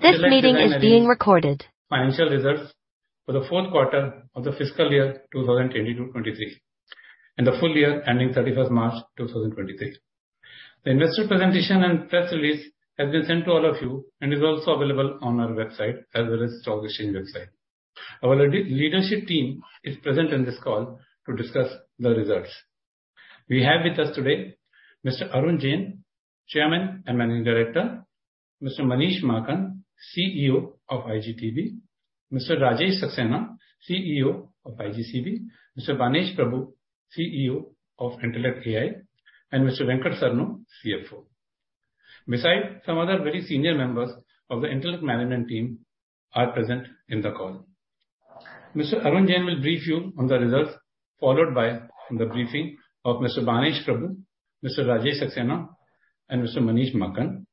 This meeting is being recorded. Financial results for the fourth quarter of the fiscal year, 2022-2023, and the full year ending 31st March, 2023. The investor presentation and press release has been sent to all of you and is also available on our website, as well as stock exchange website. Our leadership team is present on this call to discuss the results. We have with us today Mr. Arun Jain, Chairman and Managing Director, Mr. Manish Maakan, CEO of iGTB, Mr. Rajesh Saxena, CEO of iGCB, Mr. Banesh Prabhu, CEO of Intellect AI, and Mr. Venkateswarlu Saranu, CFO. Besides, some other very senior members of the Intellect management team are present in the call. Mr. Arun Jain will brief you on the results, followed by the briefing of Mr. Banesh Prabhu, Mr. Rajesh Saxena, and Mr. Manish Maakan.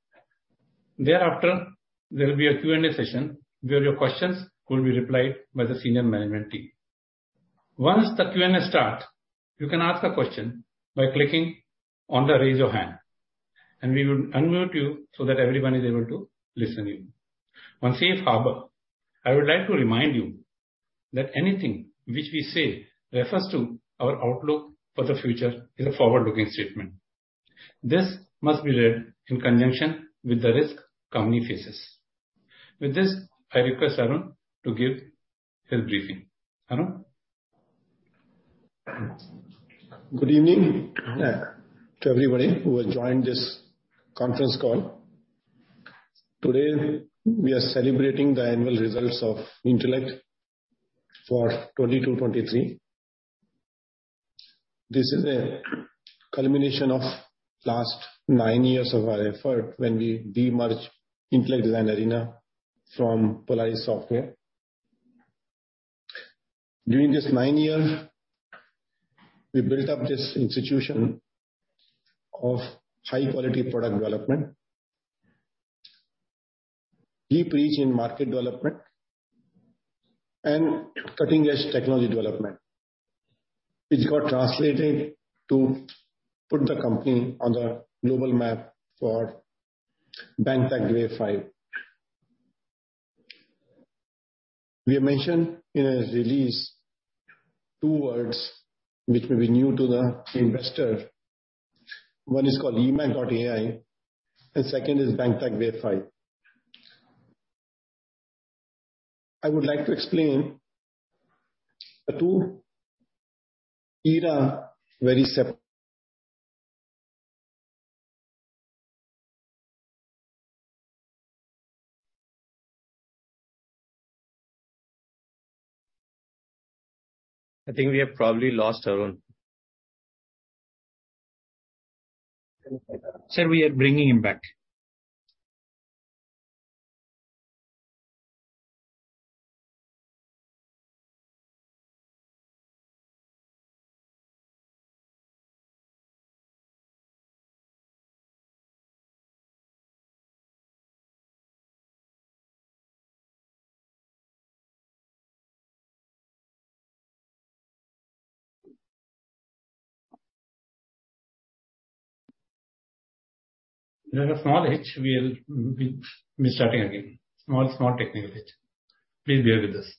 Thereafter, there will be a Q&A session where your questions will be replied by the senior management team. Once the Q&A starts, you can ask a question by clicking on the Raise Your Hand, and we will unmute you so that everyone is able to listen you. One safe harbor, I would like to remind you that anything which we say refers to our outlook for the future is a forward-looking statement. This must be read in conjunction with the risk company faces. With this, I request Arun to give his briefing. Arun? Good evening to everybody who has joined this conference call. Today, we are celebrating the annual results of Intellect for 2022, 2023. This is a culmination of last 9 years of our effort when we de-merged Intellect Design Arena from Polaris software. During this 9 years, we built up this institution of high-quality product development, deep reach in market development, and cutting-edge technology development, which got translated to put the company on the global map for BankTech Wave 5. We have mentioned in a release two words which may be new to the investor. One is called eMACH.ai, and second is BankTech Wave 5. I would like to explain the two era. I think we have probably lost Arun. Sir, we are bringing him back. There's a small hitch. We'll be starting again. Small technical hitch. Please bear with us.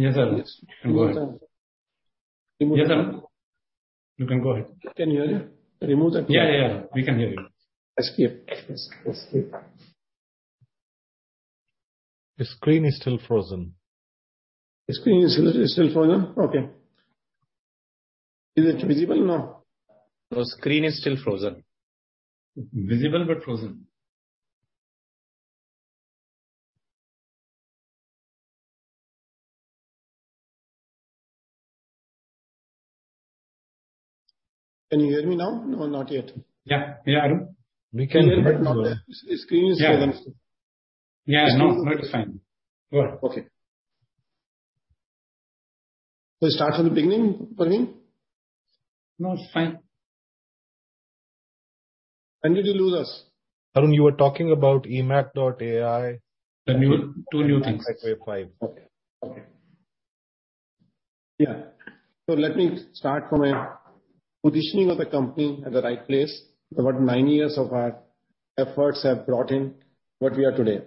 Yes, sir. You can go ahead. Yes, sir. You can go ahead. Can you hear me? Remove the- Yeah. We can hear you. Escape. Escape. The screen is still frozen. The screen is still frozen? Okay. Is it visible now? The screen is still frozen. Visible, but frozen. Can you hear me now or not yet? Yeah, yeah, Arun. We can, but not. Screen is frozen. Yeah. Yeah, it's now very fine. Go on. Okay. Start from the beginning, Praveen? No, it's fine. When did you lose us? Arun, you were talking about eMACH.ai. 2 new things. BankTech Wave 5. Okay. Okay. Yeah. Let me start from a positioning of the company at the right place. About nine years of our efforts have brought in what we are today.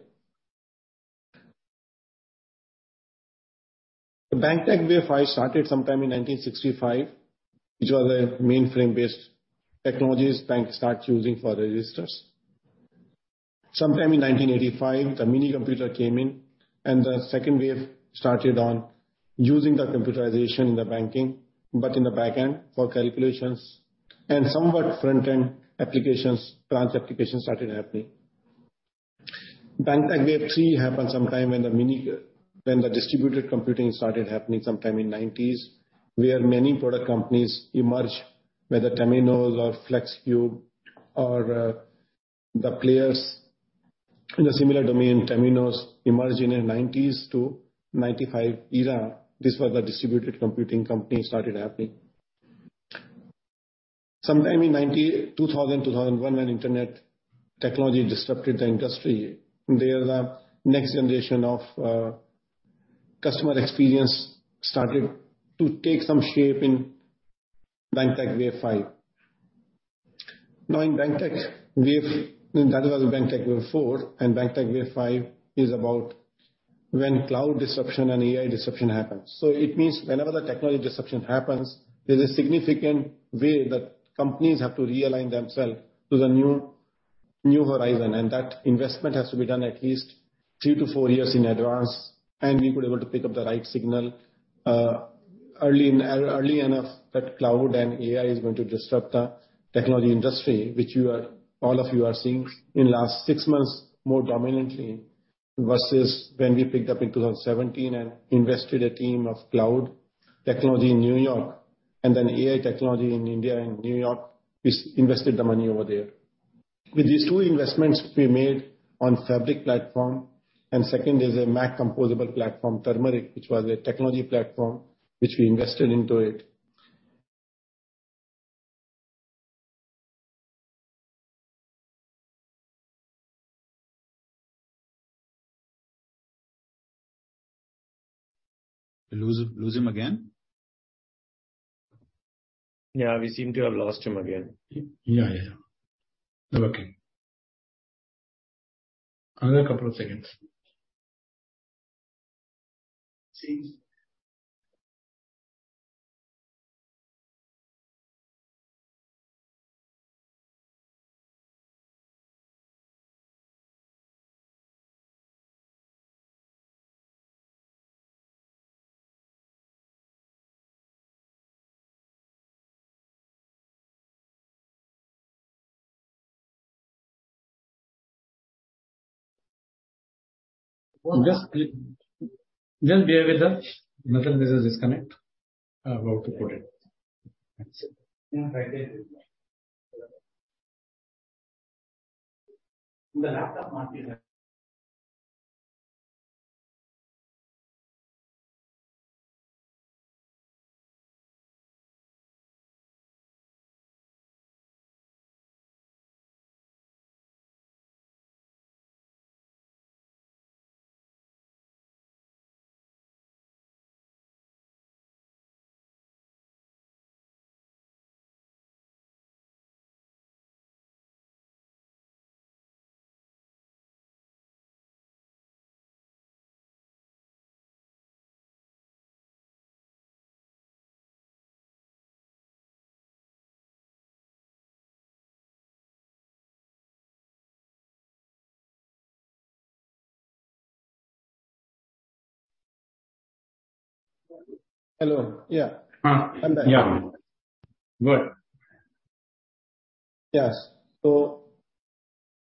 The BankTech Wave 5 started sometime in 1965, which was a mainframe-based technologies bank start using for registers. Sometime in 1985, the minicomputer came in and the second wave started on using the computerization in the banking, but in the back end for calculations and somewhat front end applications, trans applications started happening. BankTech Wave 3 happened sometime when the distributed computing started happening sometime in 90s, where many product companies emerged, whether Temenos or FlexCube or the players in a similar domain. Temenos emerged in the 90s to 95 era. This was the distributed computing company started happening. Sometime in 90... 2000, 2001, when Internet technology disrupted the industry, there the next generation of customer experience started to take some shape in BankTech Wave 5. That was BankTech Wave 4, and BankTech Wave 5 is about when cloud disruption and AI disruption happens. It means whenever the technology disruption happens, there's a significant way that companies have to realign themselves to the new horizon. That investment has to be done at least three to four years in advance. We were able to pick up the right signal early enough that cloud and AI is going to disrupt the technology industry, which all of you are seeing in last six months more dominantly, versus when we picked up in 2017 and invested a team of cloud technology in New York and then AI technology in India and New York. We invested the money over there. With these two investments we made on Fabric platform, and second is a MACH composable platform, iTurmeric, which was a technology platform which we invested into it. We lose him again? Yeah, we seem to have lost him again. Yeah, yeah. Okay. Another couple of seconds. Just bear with us. Nothing, this is disconnect. How to put it? Yeah, right there. The laptop might be there. Hello? Yeah. Yeah. Good. Yes.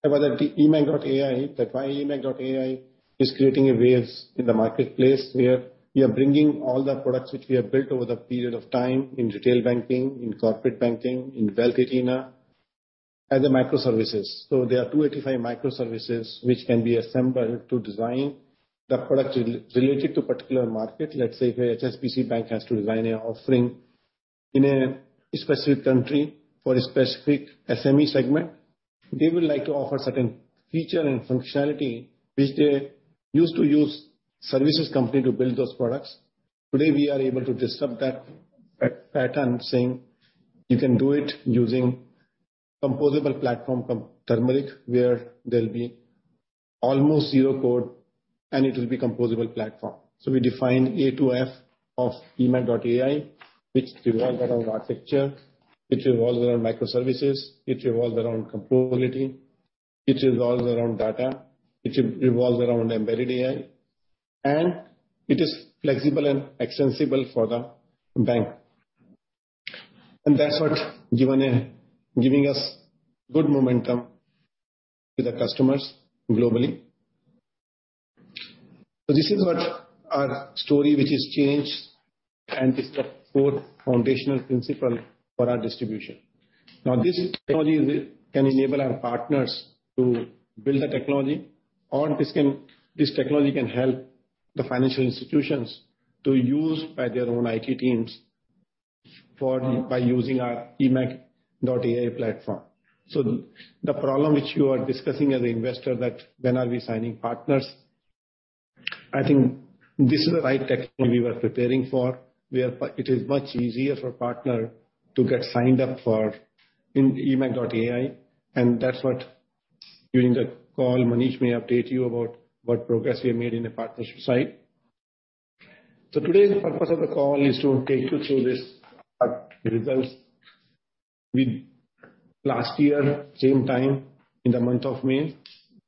About the eMACH.ai, that why eMACH.ai is creating a waves in the marketplace where we are bringing all the products which we have built over the period of time in retail banking, in corporate banking, in wealth arena as a microservices. There are 285 microservices which can be assembled to design the product related to particular market. Let's say if a HSBC bank has to design a offering in a specific country for a specific SME segment, they will like to offer certain feature and functionality which they used to use services company to build those products. Today, we are able to disrupt that pattern, saying, you can do it using composable platform from iTurmeric, where there'll be almost zero code and it will be composable platform. We define A to F of eMACH.ai, which revolves around architecture, which revolves around microservices, which revolves around composability, which revolves around data, which revolves around embedded AI, and it is flexible and extensible for the bank. That's what giving us good momentum with the customers globally. This is what our story which has changed and this is the fourth foundational principle for our distribution. This technology can enable our partners to build the technology, or this technology can help the financial institutions to use by their own IT teams by using our eMACH.ai platform. The problem which you are discussing as an investor that when are we signing partners, I think this is the right technology we were preparing for, where it is much easier for partner to get signed up for in eMACH.ai. That's what during the call Manish may update you about what progress we have made in the partnership side. Today's purpose of the call is to take you through this results. With last year same time in the month of May,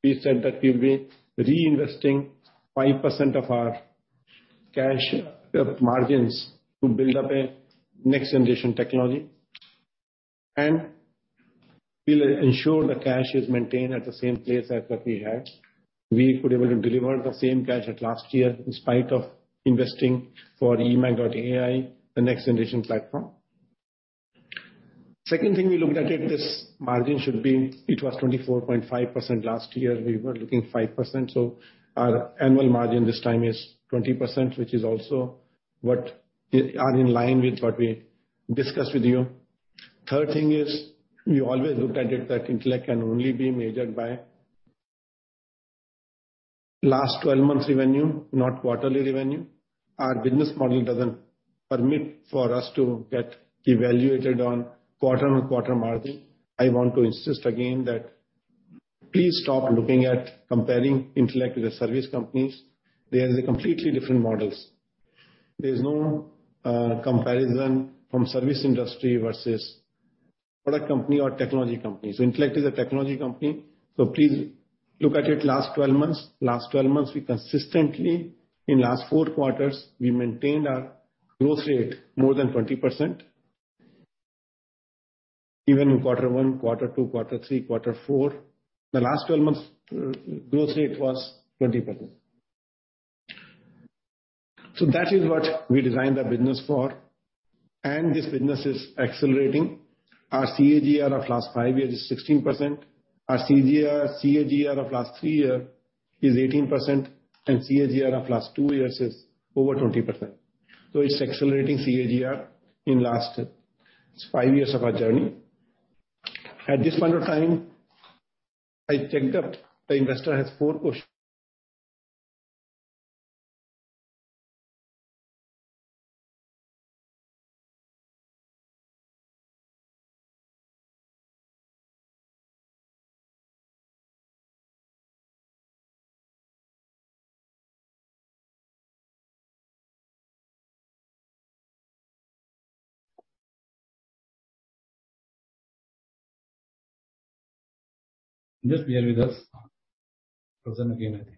we said that we'll be reinvesting 5% of our cash margins to build up a next-generation technology. We'll ensure the cash is maintained at the same place as what we had. We could able to deliver the same cash at last year in spite of investing for eMACH.ai, the next-generation platform. Second thing we looked at it was 24.5% last year. We were looking 5%, our annual margin this time is 20%, which is also what are in line with what we discussed with you. Third thing is we always looked at it that Intellect can only be measured by last 12 months revenue, not quarterly revenue. Our business model doesn't permit for us to get evaluated on quarter-on-quarter margin. I want to insist again that please stop looking at comparing Intellect with the service companies. They are the completely different models. There's no comparison from service industry versus product company or technology company. Intellect is a technology company, so please look at it last 12 months. Last 12 months we consistently, in last four quarters, we maintained our growth rate more than 20%. Even in quarter one, quarter two, quarter three, quarter four, the last 12 months growth rate was 20%. That is what we designed our business for, and this business is accelerating. Our CAGR of last five years is 16%. Our CAGR of last 3 year is 18%, and CAGR of last 2 years is over 20%. It's accelerating CAGR in last 5 years of our journey. At this point of time, the investor has 4 questions. Nitesh share with us. Present again, I think.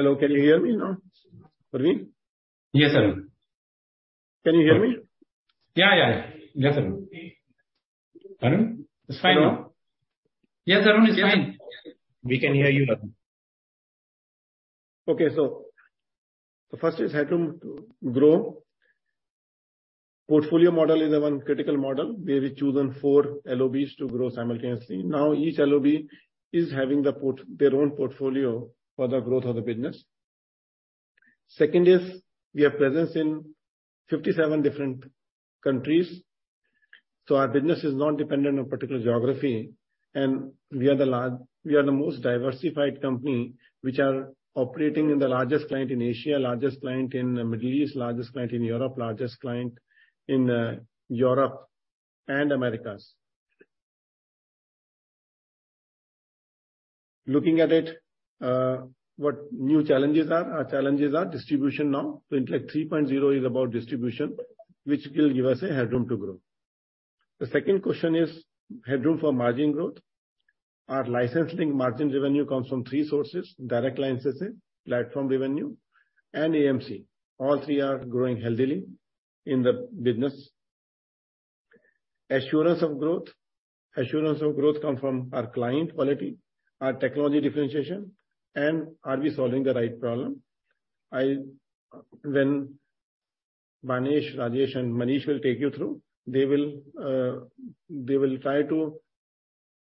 Hello, can you hear me now? Parveen? Yes, Arun. Can you hear me? Yeah, yeah. Yes, Arun. Arun? It's fine now. Hello? Yes, Arun, it's fine. We can hear you, Arun. The first is headroom to grow. Portfolio model is the one critical model where we've chosen 4 LOBs to grow simultaneously. Each LOB is having their own portfolio for the growth of the business. Second is we have presence in 57 different countries, our business is not dependent on particular geography, we are the most diversified company which are operating in the largest client in Asia, largest client in the Middle East, largest client in Europe, largest client in Europe and Americas. Looking at it, what new challenges are. Our challenges are distribution now. Intellect 3.0 is about distribution, which will give us a headroom to grow. The second question is headroom for margin growth. Our licensing margin revenue comes from 3 sources: direct licensing, platform revenue, and AMC. All three are growing healthily in the business. Assurance of growth. Assurance of growth comes from our client quality, our technology differentiation, and are we solving the right problem? I, when Banesh, Rajesh and Manish will take you through, they will try to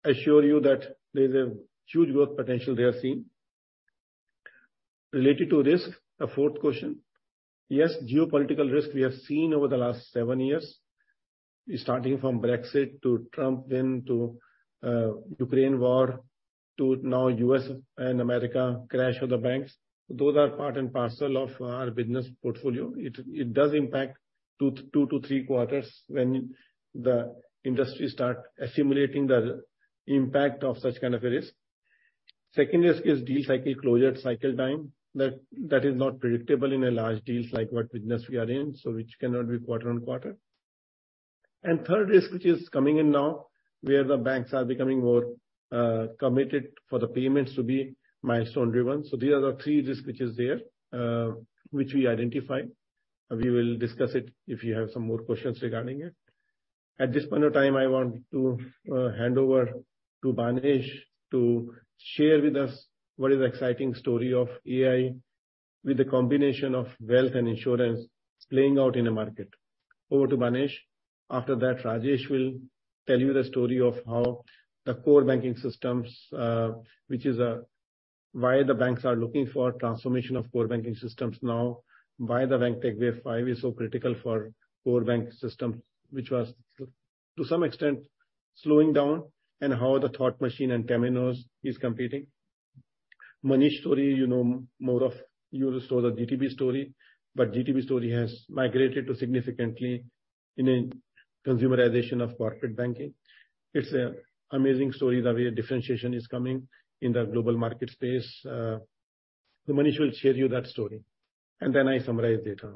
assure you that there's a huge growth potential they are seeing. Related to risk, a fourth question. Yes, geopolitical risk we have seen over the last seven years, starting from Brexit to Trump, then to Ukraine war, to now U.S. and America crash of the banks. Those are part and parcel of our business portfolio. It does impact 2 to 3 quarters when the industry starts assimilating the impact of such kind of a risk. Second risk is deal cycle closure cycle time. That is not predictable in a large deals like what business we are in, which cannot be quarter on quarter. Third risk, which is coming in now, where the banks are becoming more committed for the payments to be milestone driven. These are the three risks which is there, which we identify. We will discuss it if you have some more questions regarding it. At this point of time, I want to hand over to Banesh to share with us what is exciting story of AI with the combination of wealth and insurance playing out in a market. Over to Manish. After that, Rajesh will tell you the story of how the core banking systems. Why the banks are looking for transformation of core banking systems now, why the BankTech Wave 5 is so critical for core banking systems, which was to some extent slowing down, and how Thought Machine and Temenos is competing. Manish story, you know more of you will know the GTB story, but GTB story has migrated to significantly in a consumerization of corporate banking. It's an amazing story, the way differentiation is coming in the global market space. Manish will share you that story, and then I summarize data.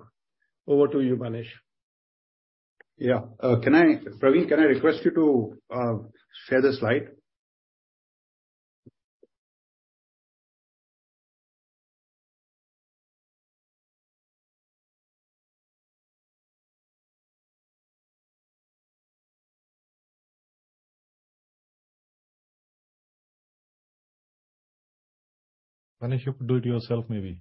Over to you, Manish. Praveen, can I request you to share the slide? Manish, you could do it yourself, maybe.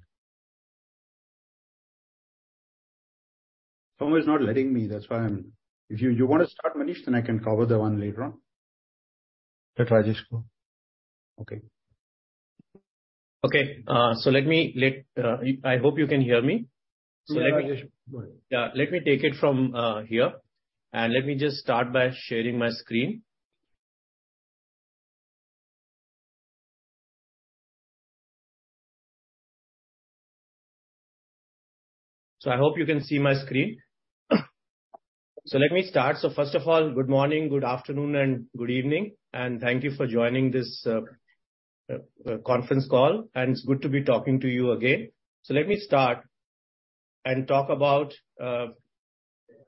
Somehow it's not letting me, that's why I'm. If you wanna start, Manish, then I can cover the one later on. Let Rajesh go. Okay. Okay. let me, I hope you can hear me. Yeah, Rajesh. Go ahead. Yeah. Let me take it from here, let me just start by sharing my screen. I hope you can see my screen. Let me start. First of all, good morning, good afternoon, and good evening, thank you for joining this conference call, it's good to be talking to you again. Let me start and talk about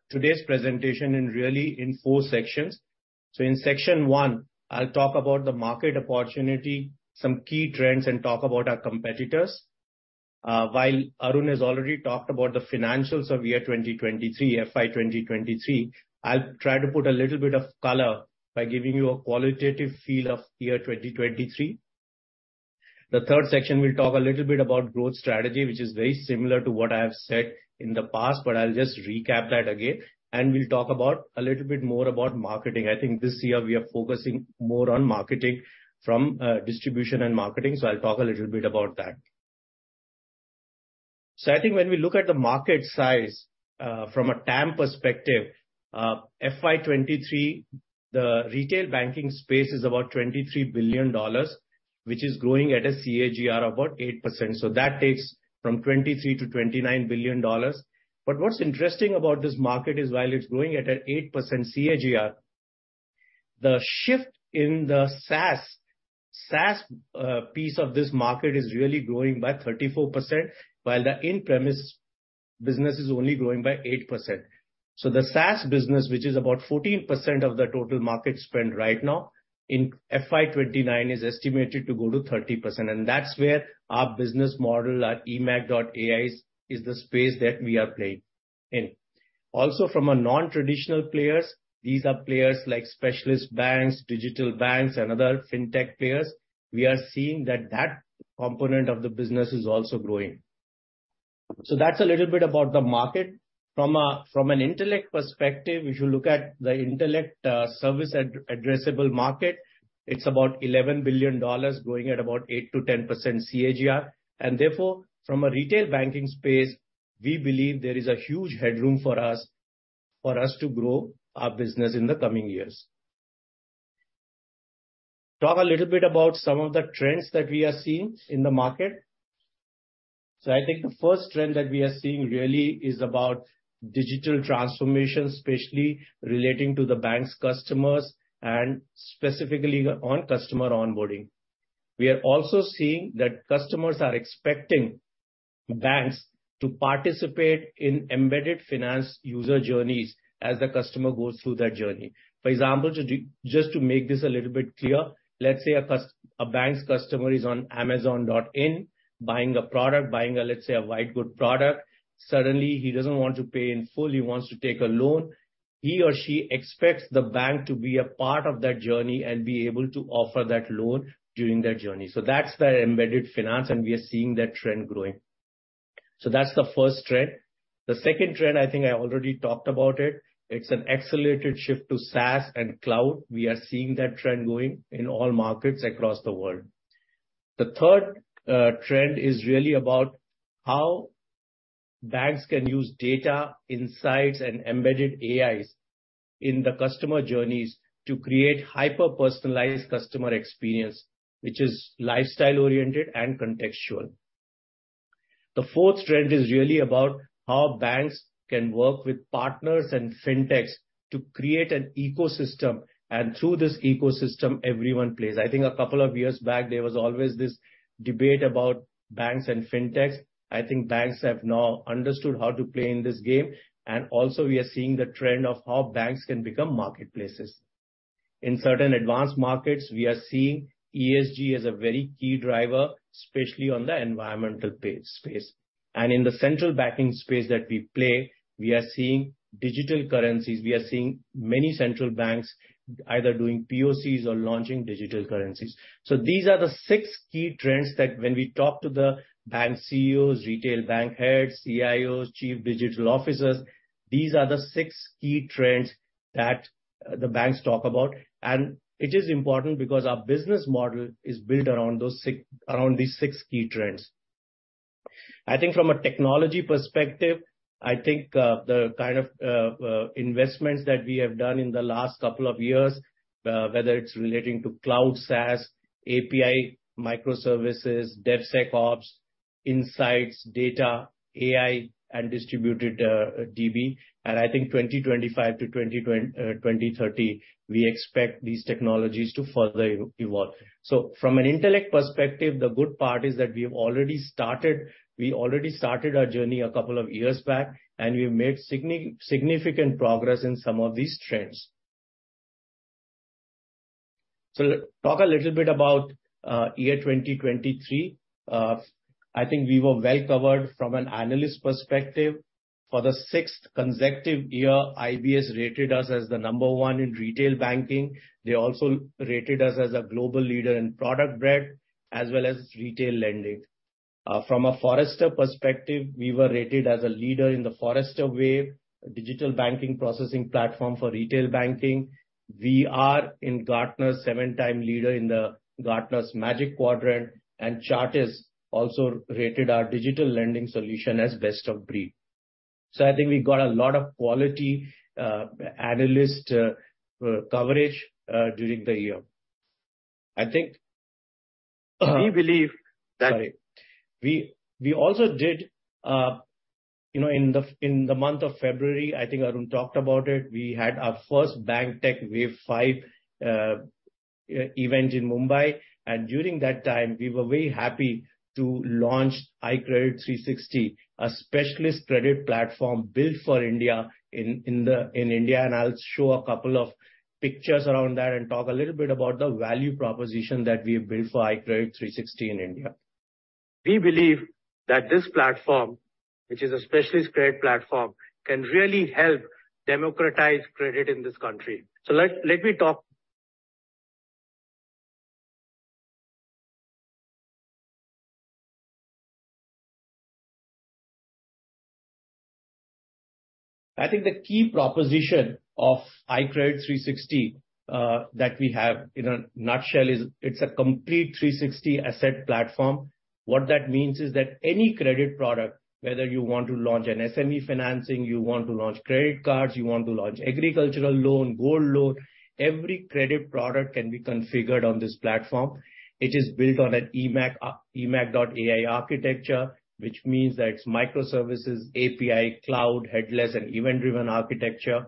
today's presentation in really in 4 sections. In section 1, I'll talk about the market opportunity, some key trends, and talk about our competitors. While Arun has already talked about the financials of year 2023, FY 2023, I'll try to put a little bit of color by giving you a qualitative feel of year 2023. The third section will talk a little bit about growth strategy, which is very similar to what I have said in the past, but I'll just recap that again, and we'll talk about a little bit more about marketing. I think this year we are focusing more on marketing from distribution and marketing, so I'll talk a little bit about that. I think when we look at the market size from a TAM perspective, FY 23, the retail banking space is about $23 billion, which is growing at a CAGR of about 8%. That takes from $23 billion-$29 billion. What's interesting about this market is while it's growing at an 8% CAGR, the shift in the SaaS piece of this market is really growing by 34%, while the in-premise business is only growing by 8%. The SaaS business, which is about 14% of the total market spend right now, in FY 2029 is estimated to go to 30%, and that's where our business model at eMACH.ai is the space that we are playing in. Also from a non-traditional players, these are players like specialist banks, digital banks, and other fintech players, we are seeing that that component of the business is also growing. That's a little bit about the market. From an Intellect perspective, if you look at the Intellect addressable market, it's about $11 billion growing at about 8%-10% CAGR. Therefore, from a retail banking space, we believe there is a huge headroom for us to grow our business in the coming years. Talk a little bit about some of the trends that we are seeing in the market. I think the first trend that we are seeing really is about digital transformation, especially relating to the bank's customers and specifically on customer onboarding. We are also seeing that customers are expecting banks to participate in embedded finance user journeys as the customer goes through that journey. For example, just to make this a little bit clear, let's say a bank's customer is on amazon.in buying a product, buying a, let's say, a white good product. Suddenly, he doesn't want to pay in full, he wants to take a loan. He or she expects the bank to be a part of that journey and be able to offer that loan during that journey. That's the embedded finance, and we are seeing that trend growing. That's the first trend. The second trend, I think I already talked about it. It's an accelerated shift to SaaS and cloud. We are seeing that trend growing in all markets across the world. The third trend is really about how banks can use data, insights, and embedded AIs in the customer journeys to create hyper-personalized customer experience, which is lifestyle-oriented and contextual. The fourth trend is really about how banks can work with partners and fintechs to create an ecosystem, and through this ecosystem, everyone plays. I think a couple of years back, there was always this debate about banks and fintechs. I think banks have now understood how to play in this game, and also we are seeing the trend of how banks can become marketplaces. In certain advanced markets, we are seeing ESG as a very key driver, especially on the environmental space. In the central banking space that we play, we are seeing digital currencies. We are seeing many central banks either doing POCs or launching digital currencies. These are the six key trends that when we talk to the bank CEOs, retail bank heads, CIOs, chief digital officers. These are the six key trends that the banks talk about. It is important because our business model is built around these six key trends. I think from a technology perspective, I think the kind of investments that we have done in the last couple of years, whether it's relating to cloud SaaS, API, microservices, DevSecOps, insights, data, AI, and distributed DB. I think 2025 to 2030, we expect these technologies to further evolve. From an Intellect perspective, the good part is that we've already started. We already started our journey a couple of years back, and we've made significant progress in some of these trends. Talk a little bit about year 2023. I think we were well covered from an analyst perspective. For the sixth consecutive year, IBS rated us as the number one in retail banking. They also rated us as a global leader in product breadth as well as retail lending. From a Forrester perspective, we were rated as a leader in the Forrester Wave digital banking processing platform for retail banking. We are in Gartner 7-time leader in the Gartner's Magic Quadrant, and Chartis also rated our digital lending solution as best of breed. I think we got a lot of quality analyst coverage during the year. I think. We believe that- Sorry. We also did, you know, in the month of February, I think Arun talked about it, we had our first BankTech Wave 5 event in Mumbai. During that time, we were very happy to launch iKredit360, a specialist credit platform built for India in India. I'll show a couple of pictures around that and talk a little bit about the value proposition that we have built for iKredit360 in India. We believe that this platform, which is a specialist credit platform, can really help democratize credit in this country. Let me talk. I think the key proposition of iKredit360 that we have in a nutshell is it's a complete 360 asset platform. What that means is that any credit product, whether you want to launch an SME financing, you want to launch credit cards, you want to launch agricultural loan, gold loan, every credit product can be configured on this platform. It is built on an eMACH.ai architecture, which means that it's microservices, API, cloud, headless and event-driven architecture.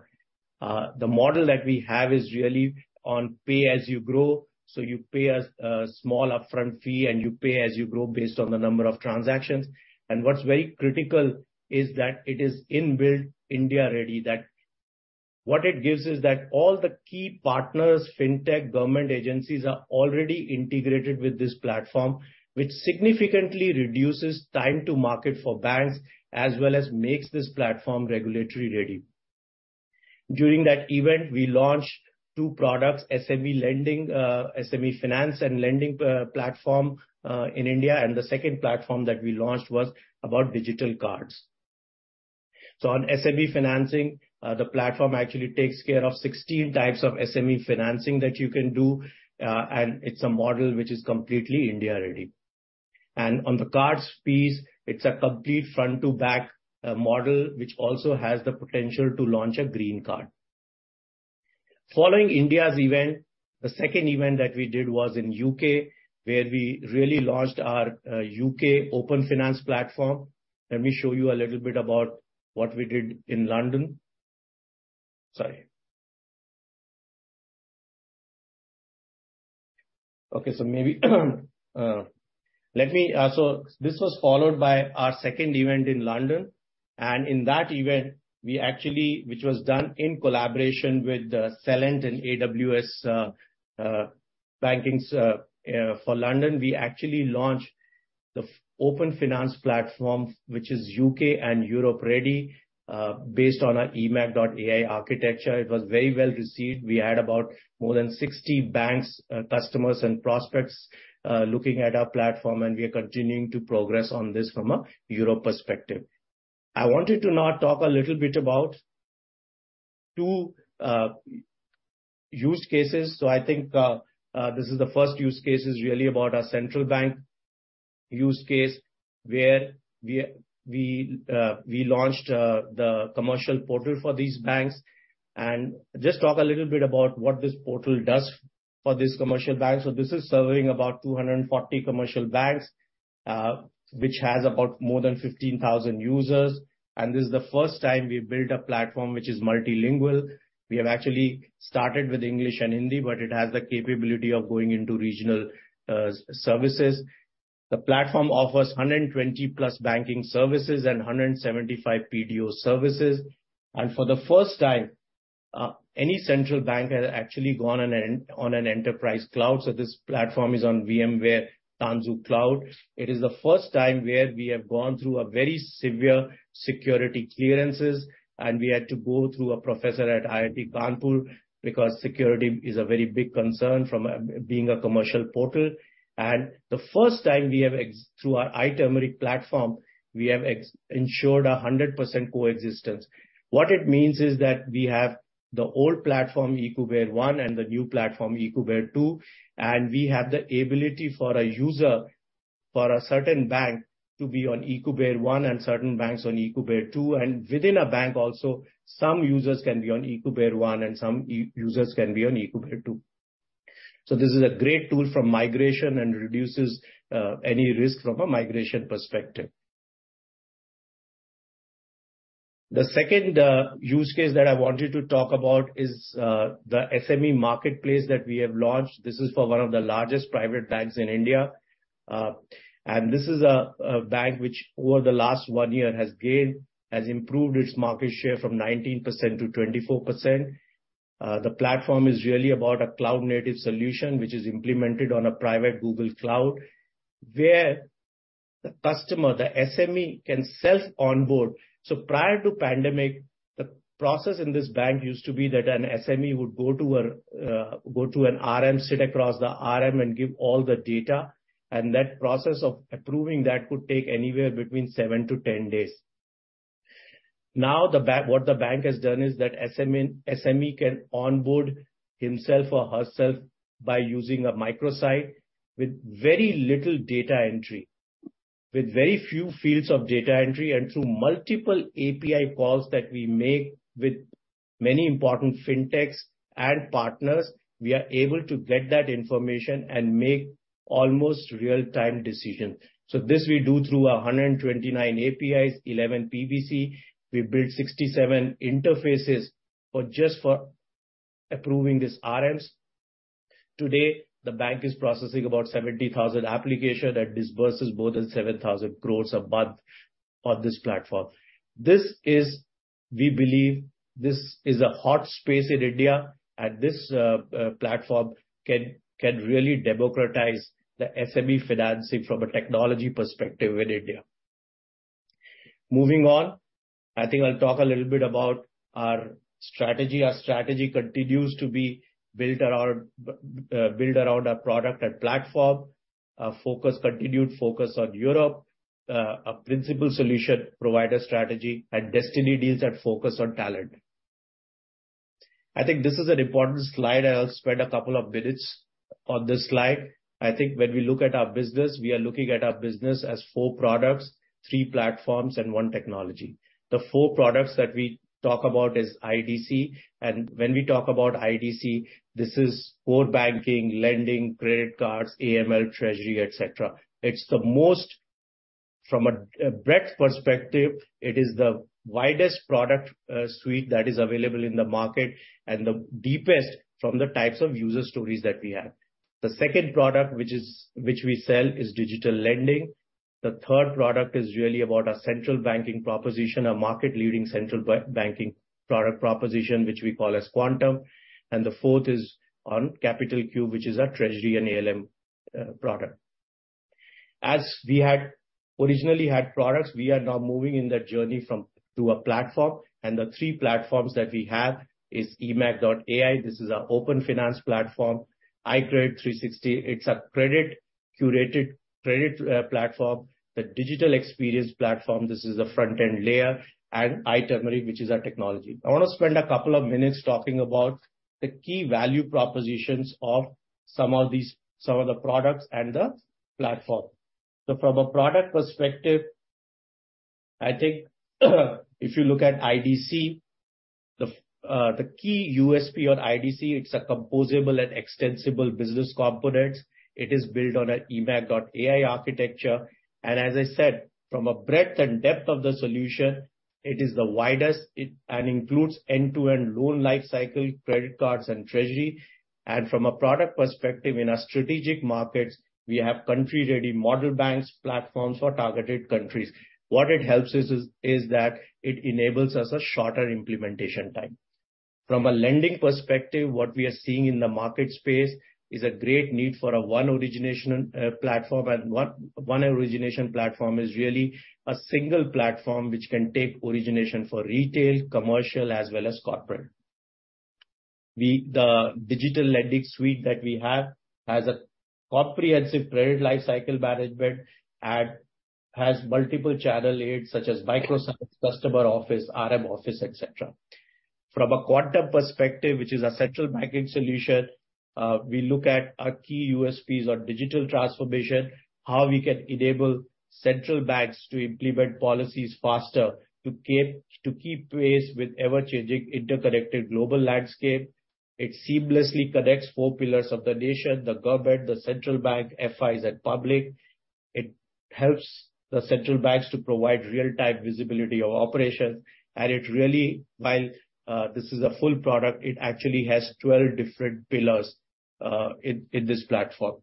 The model that we have is really on pay as you grow. You pay a small upfront fee, and you pay as you grow based on the number of transactions. What's very critical is that it is inbuild India ready. What it gives is that all the key partners, fintech, government agencies, are already integrated with this platform, which significantly reduces time to market for banks as well as makes this platform regulatory ready. During that event, we launched two products, SME lending, SME finance and lending platform in India, and the second platform that we launched was about digital cards. On SME financing, the platform actually takes care of 16 types of SME financing that you can do, and it's a model which is completely India ready. On the cards piece, it's a complete front to back model, which also has the potential to launch a green card. Following India's event, the second event that we did was in UK, where we really launched our UK Open Finance platform. Let me show you a little bit about what we did in London. Sorry. Okay. Maybe, this was followed by our second event in London. In that event, we actually, which was done in collaboration with Celent and AWS, bankings for London. We actually launched the Open Finance platform, which is UK and Europe ready, based on our eMACH.ai architecture. It was very well received. We had about more than 60 banks, customers and prospects, looking at our platform, and we are continuing to progress on this from a Europe perspective. I wanted to now talk a little bit about 2 use cases. I think, this is the first use case is really about our central bank use case, where we, we launched the commercial portal for these banks. Just talk a little bit about what this portal does for this commercial bank. This is serving about 240 commercial banks, which has about more than 15,000 users. This is the first time we built a platform which is multilingual. We have actually started with English and Hindi, but it has the capability of going into regional services. The platform offers 120-plus banking services and 175 PDO services. For the first time, any central bank has actually gone on an enterprise cloud. This platform is on VMware Tanzu Cloud. It is the first time where we have gone through a very severe security clearances, and we had to go through a professor at IIT Kanpur because security is a very big concern from being a commercial portal. The first time we have through our iTurmeric platform, we have ensured 100% coexistence. What it means is that we have the old platform, e-Kuber 1, and the new platform e-Kuber 2. We have the ability for a user for a certain bank to be on e-Kuber One and certain banks on e-Kuber 2. Within a bank also, some users can be on e-Kuber 1 and some users can be on e-Kuber 2. This is a great tool for migration and reduces any risk from a migration perspective. The second use case that I wanted to talk about is the SME marketplace that we have launched. This is for one of the largest private banks in India. This is a bank which over the last one year has gained, has improved its market share from 19% to 24%. The platform is really about a cloud-native solution which is implemented on a private Google Cloud, where the customer, the SME can self-onboard. Prior to pandemic, the process in this bank used to be that an SME would go to an RM, sit across the RM and give all the data. That process of approving that could take anywhere between 7-10 days. Now what the bank has done is that SME can onboard himself or herself by using a microsite with very little data entry, with very few fields of data entry. Through multiple API calls that we make with many important fintechs and partners, we are able to get that information and make almost real-time decisions. This we do through 129 APIs, 11 BPC. We build 67 interfaces just for approving these RMs. Today, the bank is processing about 70,000 application that disburses more than 7,000 crore a month on this platform. This, we believe, is a hot space in India, and this platform can really democratize the SME financing from a technology perspective in India. Moving on, I think I'll talk a little bit about our strategy. Our strategy continues to be build around our product and platform. Our focus, continued focus on Europe. A principal solution provider strategy and Destiny Deals that focus on talent. I think this is an important slide, and I'll spend a couple of minutes on this slide. I think when we look at our business, we are looking at our business as 4 products, 3 platforms, and 1 technology. The four products that we talk about is IDC. When we talk about IDC, this is core banking, lending, credit cards, AML, treasury, et cetera. It's the most From a breadth perspective, it is the widest product suite that is available in the market and the deepest from the types of user stories that we have. The second product which we sell is digital lending. The third product is really about our central banking proposition, a market-leading central banking product proposition which we call as Quantum. The fourth is on Capital Cube, which is our treasury and ALM product. We had originally had products, we are now moving in the journey from to a platform, and the three platforms that we have is eMACH.ai. This is our open finance platform. iKredit 360, it's a credit-curated credit platform. The digital experience platform, this is the front-end layer. iTurmeric which is our technology. I wanna spend a couple of minutes talking about the key value propositions of some of these, some of the products and the platform. From a product perspective, I think if you look at IDC, the key USP on IDC, it's a composable and extensible business component. It is built on a eMACH.ai architecture. As I said, from a breadth and depth of the solution, it is the widest, and includes end-to-end loan lifecycle, credit cards and treasury. From a product perspective, in our strategic markets, we have country-ready model banks platforms for targeted countries. What it helps us is that it enables us a shorter implementation time. From a lending perspective, what we are seeing in the market space is a great need for a one origination platform. One origination platform is really a single platform which can take origination for retail, commercial, as well as corporate. The digital lending suite that we have has a comprehensive credit lifecycle management and has multiple channel aids such as microsite, customer office, RM office, et cetera. From a quantum perspective, which is our central banking solution, we look at our key USPs on digital transformation, how we can enable central banks to implement policies faster, to keep pace with ever-changing interconnected global landscape. It seamlessly connects four pillars of the nation, the government, the central bank, FIs, and public. It helps the central banks to provide real-time visibility of operations. It really, while this is a full product, it actually has 12 different pillars in this platform.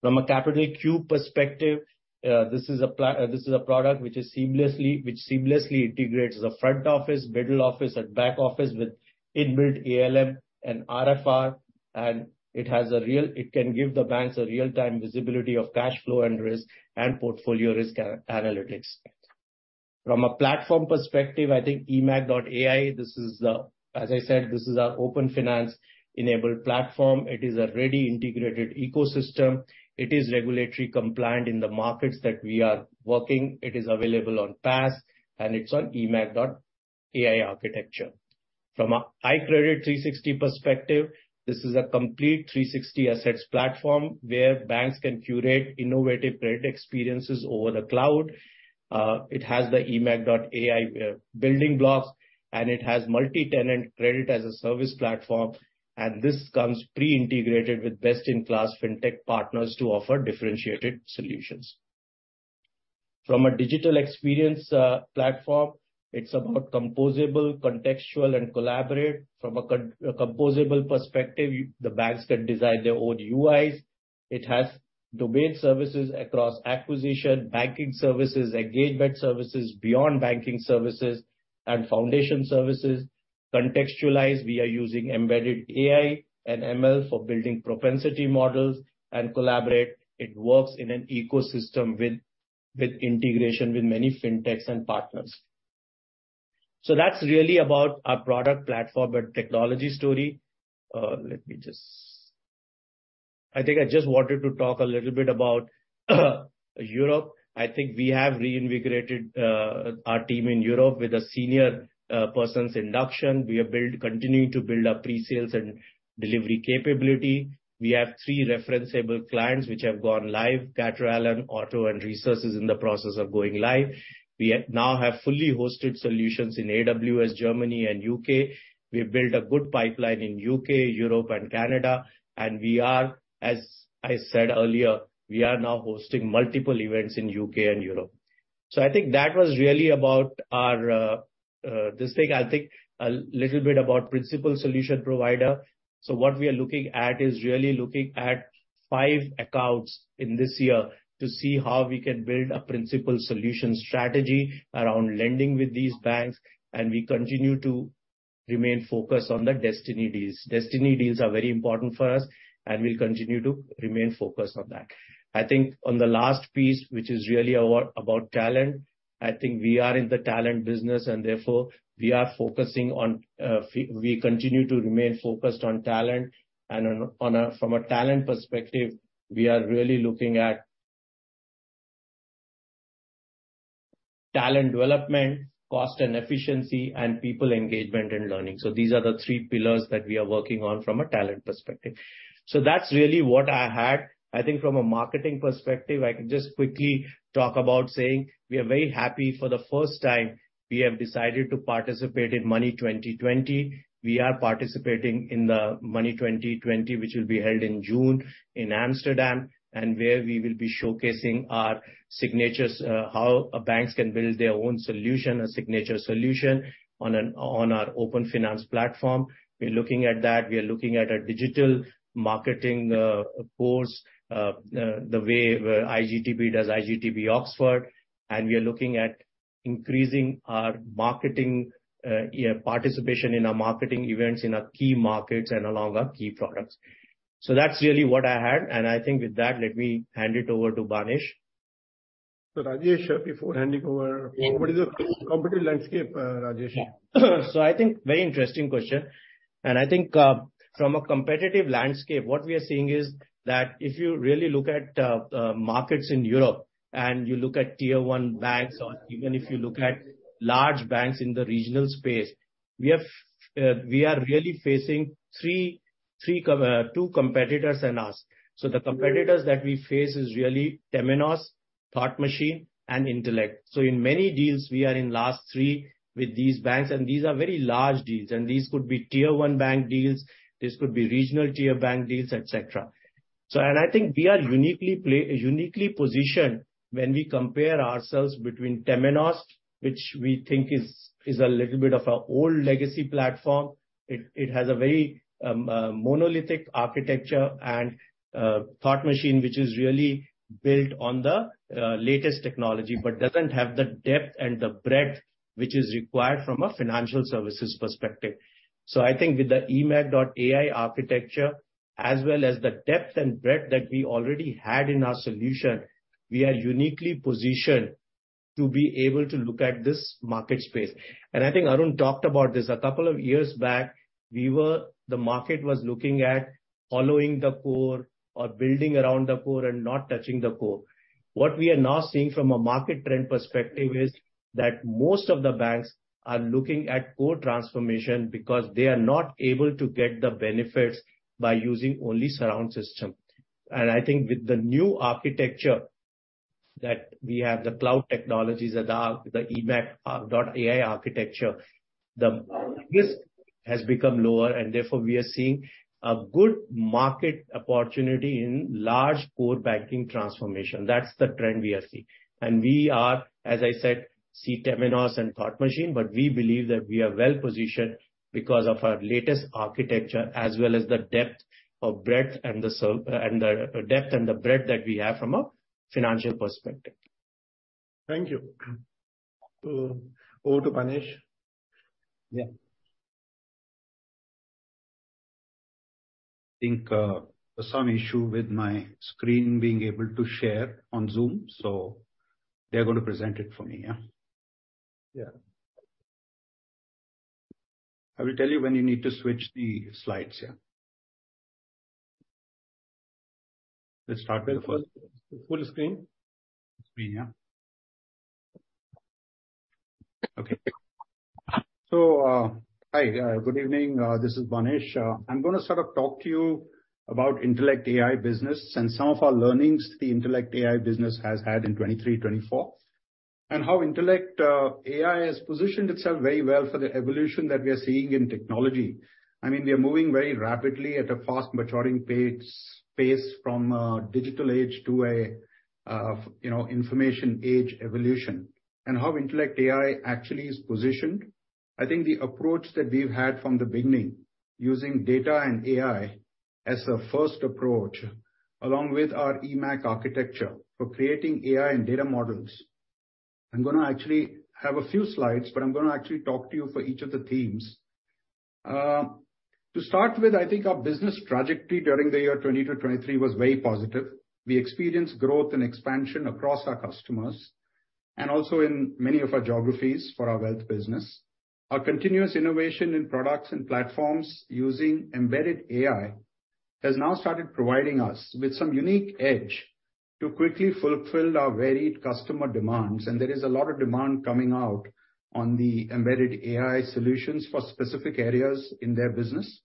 From a Capital Cube perspective, this is a product which seamlessly integrates the front office, middle office, and back office with in-built ALM and RFR. It can give the banks a real-time visibility of cash flow and risk and portfolio risk analytics. From a platform perspective, I think eMACH.ai, as I said, this is our open finance-enabled platform. It is a ready integrated ecosystem. It is regulatory compliant in the markets that we are working. It is available on PaaS, and it's on eMACH.ai architecture. From a iKredit 360 perspective, this is a complete 360 assets platform where banks can curate innovative credit experiences over the cloud. It has the eMACH.ai building blocks, and it has multi-tenant credit as a service platform. This comes pre-integrated with best-in-class fintech partners to offer differentiated solutions. From a digital experience platform, it's about composable, contextual and collaborate. From a composable perspective, the banks can design their own UIs. It has domain services across acquisition, banking services, engagement services, beyond banking services and foundation services. Contextualized, we are using embedded AI and ML for building propensity models and collaborate. It works in an ecosystem with integration with many fintechs and partners. That's really about our product platform and technology story. Let me just... I think I just wanted to talk a little bit about Europe. I think we have reinvigorated our team in Europe with a senior persons induction. Continuing to build our pre-sales and delivery capability. We have 3 referenceable clients which have gone live. Catrall and Auto and Resources in the process of going live. We now have fully hosted solutions in AWS, Germany and U.K. We have built a good pipeline in U.K., Europe and Canada. We are, as I said earlier, we are now hosting multiple events in U.K. and Europe. I think that was really about our this thing. I think a little bit about principal solution provider. What we are looking at is really looking at 5 accounts in this year to see how we can build a principal solution strategy around lending with these banks. We continue to remain focused on the Destiny Deals. Destiny Deals are very important for us, and we'll continue to remain focused on that. I think on the last piece, which is really award about talent, I think we are in the talent business and therefore we are focusing on, we continue to remain focused on talent and from a talent perspective, we are really looking at talent development, cost and efficiency, and people engagement and learning. These are the three pillars that we are working on from a talent perspective. That's really what I had. I think from a marketing perspective, I can just quickly talk about saying we are very happy. For the first time we have decided to participate in Money20/20. We are participating in the Money20/20, which will be held in June in Amsterdam, where we will be showcasing our signatures, how banks can build their own solution, a signature solution on our Open Finance platform. We're looking at that. We are looking at a digital marketing course, the way iGTB does iGTB Oxford. We are looking at increasing our marketing participation in our marketing events in our key markets and along our key products. That's really what I had. I think with that, let me hand it over to Banesh. Rajesh, before handing over, what is the competitive landscape, Rajesh? I think very interesting question. I think, from a competitive landscape, what we are seeing is that if you really look at markets in Europe and you look at tier one banks or even if you look at large banks in the regional space, we are really facing two competitors and us. The competitors that we face is really Temenos, Thought Machine and Intellect. In many deals we are in last three with these banks, and these are very large deals. These could be tier one bank deals, this could be regional tier bank deals, et cetera. I think we are uniquely positioned when we compare ourselves between Temenos, which we think is a little bit of an old legacy platform. It has a very monolithic architecture. Thought Machine, which is really built on the latest technology but doesn't have the depth and the breadth which is required from a financial services perspective. I think with the eMACH.ai architecture as well as the depth and breadth that we already had in our solution, we are uniquely positioned to be able to look at this market space. I think Arun talked about this a couple of years back. The market was looking at following the core or building around the core and not touching the core. What we are now seeing from a market trend perspective is that most of the banks are looking at core transformation because they are not able to get the benefits by using only surround system. I think with the new architecture that we have, the cloud technologies, the eMACH.ai architecture, the risk has become lower, and therefore we are seeing a good market opportunity in large core banking transformation. That's the trend we are seeing. We are, as I said, see Temenos and Thought Machine, but we believe that we are well-positioned because of our latest architecture as well as the depth of breadth and the depth and the breadth that we have from a financial perspective. Thank you. Over to Banesh. Yeah. I think, some issue with my screen being able to share on Zoom. They're gonna present it for me, yeah? Yeah. I will tell you when you need to switch the slides, yeah? Let's start with the first. Full screen. Screen, yeah. Okay. Hi, good evening, this is Banesh. I'm gonna sort of talk to you about IntellectAI business and some of our learnings the IntellectAI business has had in 2023, 2024, and how IntellectAI has positioned itself very well for the evolution that we are seeing in technology. I mean, we are moving very rapidly at a fast maturing pace from a digital age to a, you know, information age evolution, and how IntellectAI actually is positioned. I think the approach that we've had from the beginning, using data and AI as a first approach, along with our eMACH architecture for creating AI and data models. I'm gonna actually have a few slides, but I'm gonna actually talk to you for each of the themes. To start with, I think our business trajectory during the year 2022, 2023 was very positive. We experienced growth and expansion across our customers, and also in many of our geographies for our wealth business. Our continuous innovation in products and platforms using embedded AI has now started providing us with some unique edge to quickly fulfill our varied customer demands. There is a lot of demand coming out on the embedded AI solutions for specific areas in their business.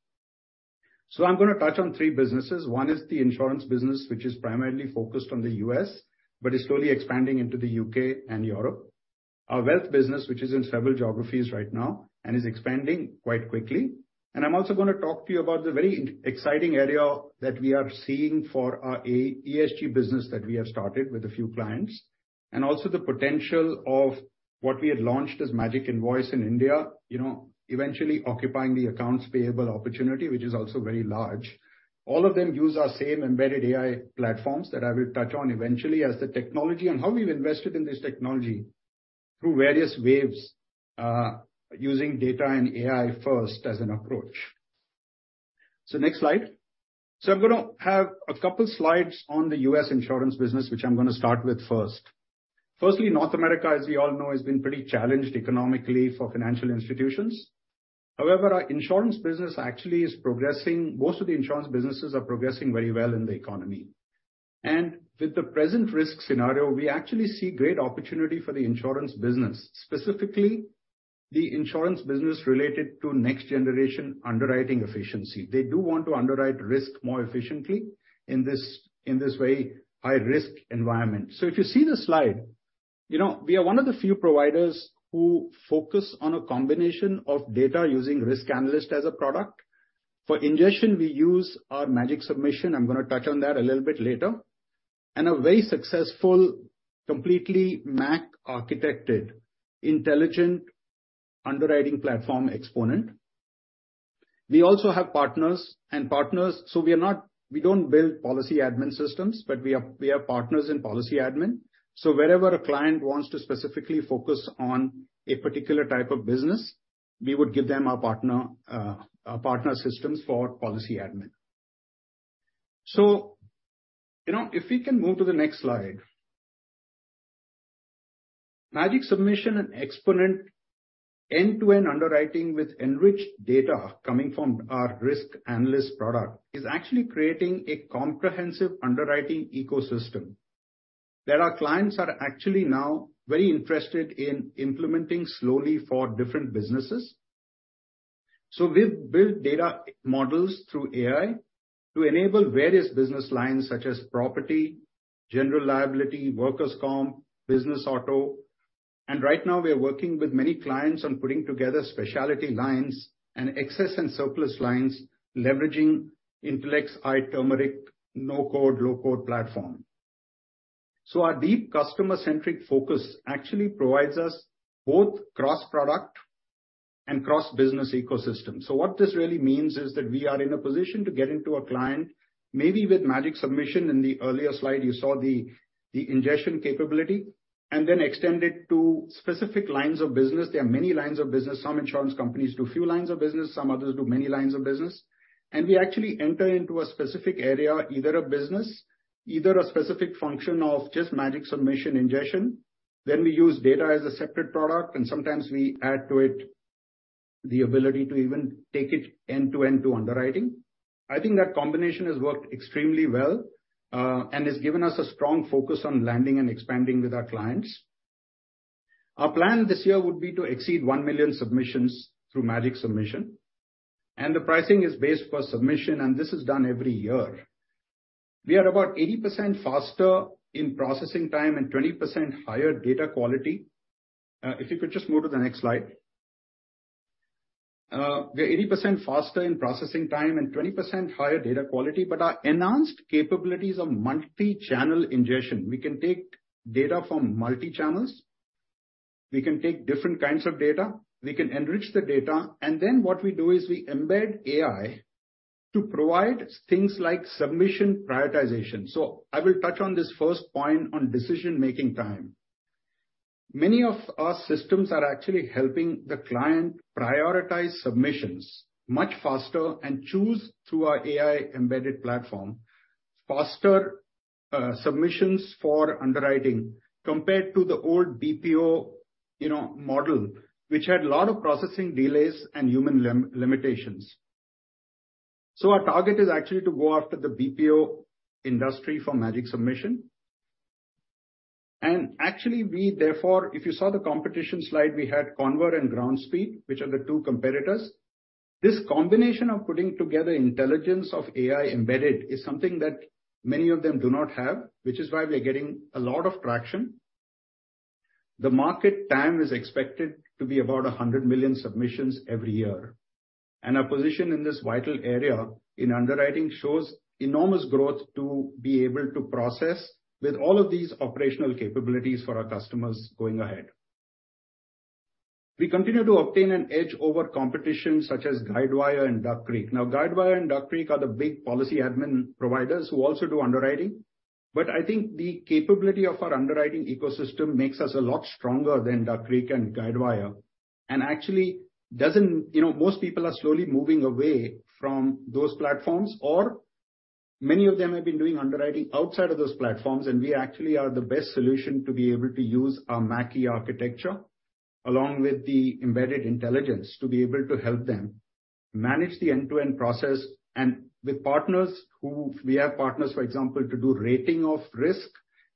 I'm gonna touch on three businesses. One is the insurance business, which is primarily focused on the U.S., but is slowly expanding into the U.K. and Europe. Our wealth business, which is in several geographies right now and is expanding quite quickly. I'm also gonna talk to you about the very exciting area that we are seeing for our ESG business that we have started with a few clients. Also the potential of what we had launched as Magic Invoice in India, you know, eventually occupying the accounts payable opportunity, which is also very large. All of them use our same embedded AI platforms that I will touch on eventually as the technology and how we've invested in this technology through various waves, using data and AI first as an approach. Next slide. I'm gonna have a couple slides on the U.S. insurance business, which I'm gonna start with first. Firstly, North America, as we all know, has been pretty challenged economically for financial institutions. However, our insurance business actually is progressing most of the insurance businesses are progressing very well in the economy. With the present risk scenario, we actually see great opportunity for the insurance business, specifically the insurance business related to next generation underwriting efficiency. They do want to underwrite risk more efficiently in this, in this very high risk environment. If you see the slide, you know, we are one of the few providers who focus on a combination of data using Risk Analyst as a product. For ingestion, we use our Magic Submission. I'm gonna touch on that a little bit later. A very successful, completely MACH architected, intelligent underwriting platform, Xponent. We also have partners. We don't build policy admin systems, but we have partners in policy admin. Wherever a client wants to specifically focus on a particular type of business, we would give them our partner, our partner systems for policy admin. You know, if we can move to the next slide. Magic Submission and Xponent end-to-end underwriting with enriched data coming from our Risk Analyst product is actually creating a comprehensive underwriting ecosystem that our clients are actually now very interested in implementing slowly for different businesses. We've built data models through AI to enable various business lines such as property, general liability, workers' comp, business auto. Right now we are working with many clients on putting together specialty lines and excess and surplus lines, leveraging IntellectAI iTurmeric no-code, low-code platform. Our deep customer-centric focus actually provides us both cross-product and cross-business ecosystem. What this really means is that we are in a position to get into a client, maybe with Magic Submission. In the earlier slide, you saw the ingestion capability, and then extend it to specific lines of business. There are many lines of business. Some insurance companies do few lines of business, some others do many lines of business. We actually enter into a specific area, either a business, either a specific function of just Magic Submission ingestion. We use data as a separate product, and sometimes we add to it the ability to even take it end-to-end to underwriting. I think that combination has worked extremely well, and has given us a strong focus on landing and expanding with our clients. Our plan this year would be to exceed 1 million submissions through Magic Submission, and the pricing is based per submission, and this is done every year. We are about 80% faster in processing time and 20% higher data quality. If you could just move to the next slide. We are 80% faster in processing time and 20% higher data quality, but our enhanced capabilities of multi-channel ingestion. We can take data from multi-channels, we can take different kinds of data, we can enrich the data, and then what we do is we embed AI to provide things like submission prioritization. I will touch on this first point on decision-making time. Many of our systems are actually helping the client prioritize submissions much faster and choose through our AI embedded platform, faster submissions for underwriting compared to the old BPO, you know, model, which had a lot of processing delays and human limitations. Our target is actually to go after the BPO industry for Magic Submission. Actually we therefore, if you saw the competition slide, we had Conver and Groundspeed, which are the two competitors. This combination of putting together intelligence of AI embedded is something that many of them do not have, which is why we are getting a lot of traction. The market TAM is expected to be about 100 million submissions every year. Our position in this vital area in underwriting shows enormous growth to be able to process with all of these operational capabilities for our customers going ahead. We continue to obtain an edge over competition such as Guidewire and Duck Creek. Guidewire and Duck Creek are the big policy admin providers who also do underwriting, but I think the capability of our underwriting ecosystem makes us a lot stronger than Duck Creek and Guidewire. actually doesn't... You know, most people are slowly moving away from those platforms, or many of them have been doing underwriting outside of those platforms, and we actually are the best solution to be able to use our MACH architecture along with the embedded intelligence to be able to help them manage the end-to-end process. We have partners, for example, to do rating of risk.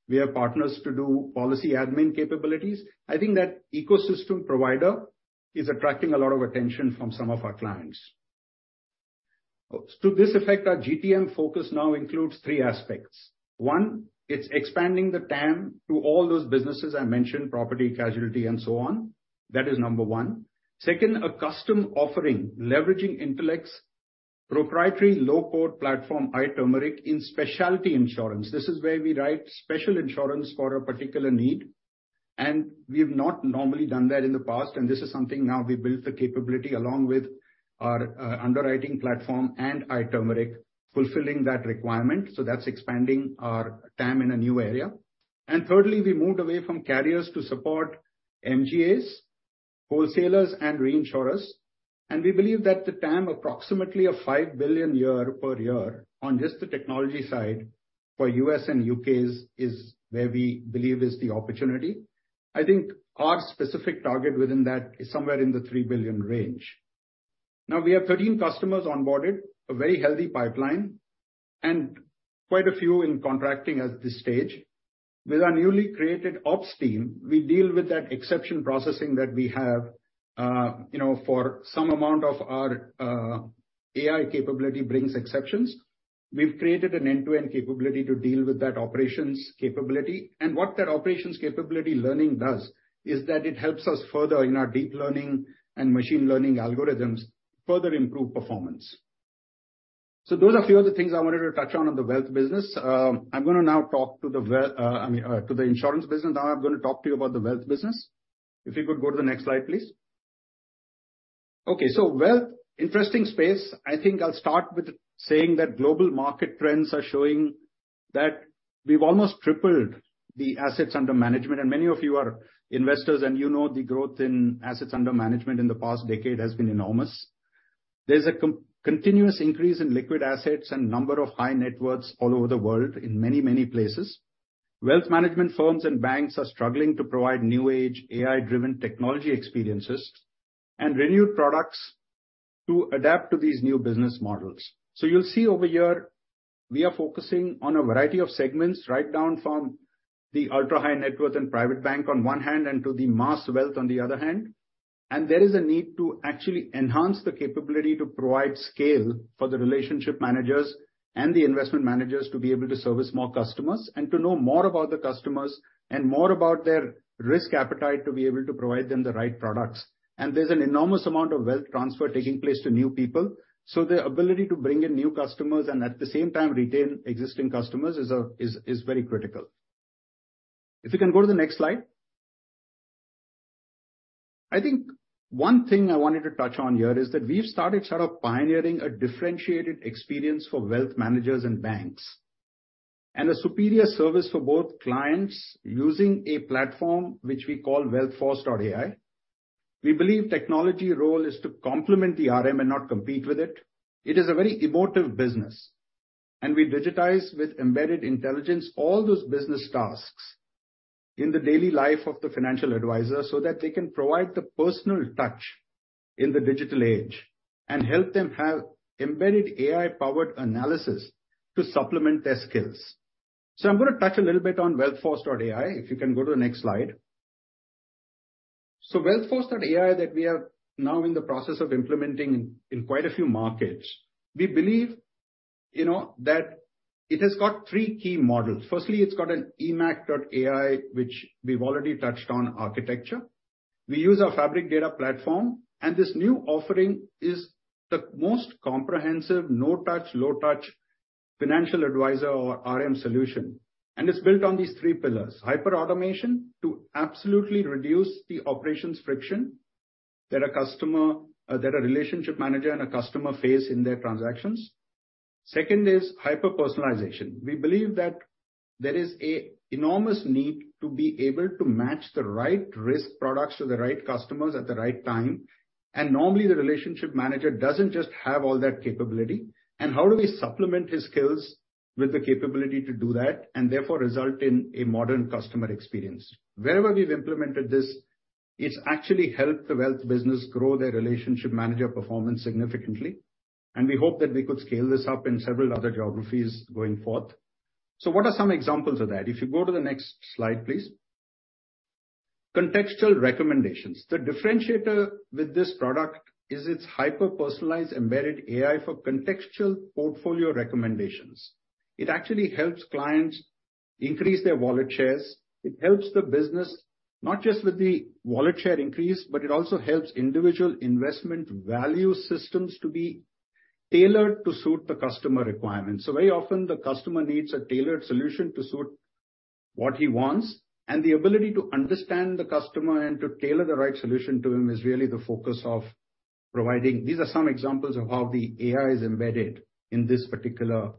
We have partners to do policy admin capabilities. I think that ecosystem provider is attracting a lot of attention from some of our clients. To this effect, our GTM focus now includes three aspects. One it's expanding the TAM to all those businesses I mentioned, property, casualty, and so on. That is number 1. 2, a custom offering leveraging Intellect's proprietary low-code platform, iTurmeric, in specialty insurance. This is where we write special insurance for a particular need, and we have not normally done that in the past. This is something now we built the capability along with our underwriting platform and iTurmeric fulfilling that requirement. That's expanding our TAM in a new area. Thirdly, we moved away from carriers to support MGAs, wholesalers, and reinsurers. We believe that the TAM approximately of $5 billion per year on just the technology side for U.S. and U.K.'s is where we believe is the opportunity. I think our specific target within that is somewhere in the $3 billion range. Now, we have 13 customers onboarded, a very healthy pipeline, and quite a few in contracting at this stage. With our newly created ops team, we deal with that exception processing that we have, you know, for some amount of our AI capability brings exceptions. We've created an end-to-end capability to deal with that operations capability. What that operations capability learning does is that it helps us further in our deep learning and machine learning algorithms further improve performance. Those are few of the things I wanted to touch on the wealth business. I'm gonna now talk to the I mean, to the insurance business. Now I'm gonna talk to you about the wealth business. If you could go to the next slide, please. Wealth, interesting space. I think I'll start with saying that global market trends are showing that we've almost tripled the assets under management, and many of you are investors and you know the growth in assets under management in the past decade has been enormous. There's a continuous increase in liquid assets and number of high net worths all over the world in many, many places. Wealth management firms and banks are struggling to provide new age, AI-driven technology experiences and renewed products to adapt to these new business models. You'll see over here, we are focusing on a variety of segments, right down from the ultra-high net worth and private bank on one hand, and to the mass wealth on the other hand. There is a need to actually enhance the capability to provide scale for the relationship managers and the investment managers to be able to service more customers and to know more about the customers and more about their risk appetite to be able to provide them the right products. There's an enormous amount of wealth transfer taking place to new people, so the ability to bring in new customers and at the same time retain existing customers is a, is very critical. If you can go to the next slide. I think one thing I wanted to touch on here is that we've started sort of pioneering a differentiated experience for wealth managers and banks, and a superior service for both clients using a platform which we call WealthForce.ai. We believe technology role is to complement the RM and not compete with it. It is a very emotive business. We digitize with embedded intelligence all those business tasks in the daily life of the financial advisor, so that they can provide the personal touch in the digital age and help them have embedded AI-powered analysis to supplement their skills. I'm gonna touch a little bit on WealthForce.ai, if you can go to the next slide. WealthForce.ai that we are now in the process of implementing in quite a few markets. We believe, you know, that it has got three key models. Firstly, it's got an eMACH.ai, which we've already touched on architecture. We use our Fabric Data platform. This new offering is the most comprehensive no-touch, low-touch financial advisor or RM solution. It's built on these three pillars: hyperautomation to absolutely reduce the operations friction that a customer, that a relationship manager and a customer face in their transactions. Second is hyperpersonalization. We believe that there is an enormous need to be able to match the right risk products to the right customers at the right time. Normally, the relationship manager doesn't just have all that capability. How do we supplement his skills with the capability to do that, and therefore result in a modern customer experience. Wherever we've implemented this, it's actually helped the wealth business grow their relationship manager performance significantly, and we hope that we could scale this up in several other geographies going forth. What are some examples of that? If you go to the next slide, please. Contextual recommendations. The differentiator with this product is its hyper-personalized embedded AI for contextual portfolio recommendations. It actually helps clients increase their wallet shares. It helps the business not just with the wallet share increase, but it also helps individual investment value systems to be tailored to suit the customer requirements. Very often the customer needs a tailored solution to suit what he wants, and the ability to understand the customer and to tailor the right solution to him is really the focus of providing... These are some examples of how the AI is embedded in this particular,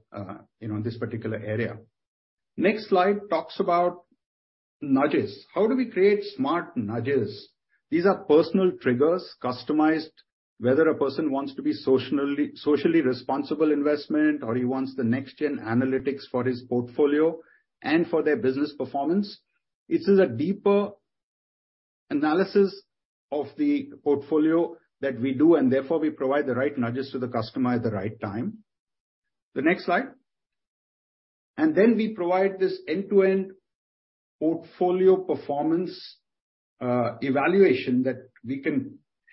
you know, in this particular area. Next slide talks about nudges. How do we create smart nudges? These are personal triggers, customized, whether a person wants to be socially responsible investment or he wants the next-gen analytics for his portfolio and for their business performance. This is a deeper analysis of the portfolio that we do, and therefore we provide the right nudges to the customer at the right time. The next slide. Then we provide this end-to-end portfolio performance evaluation that we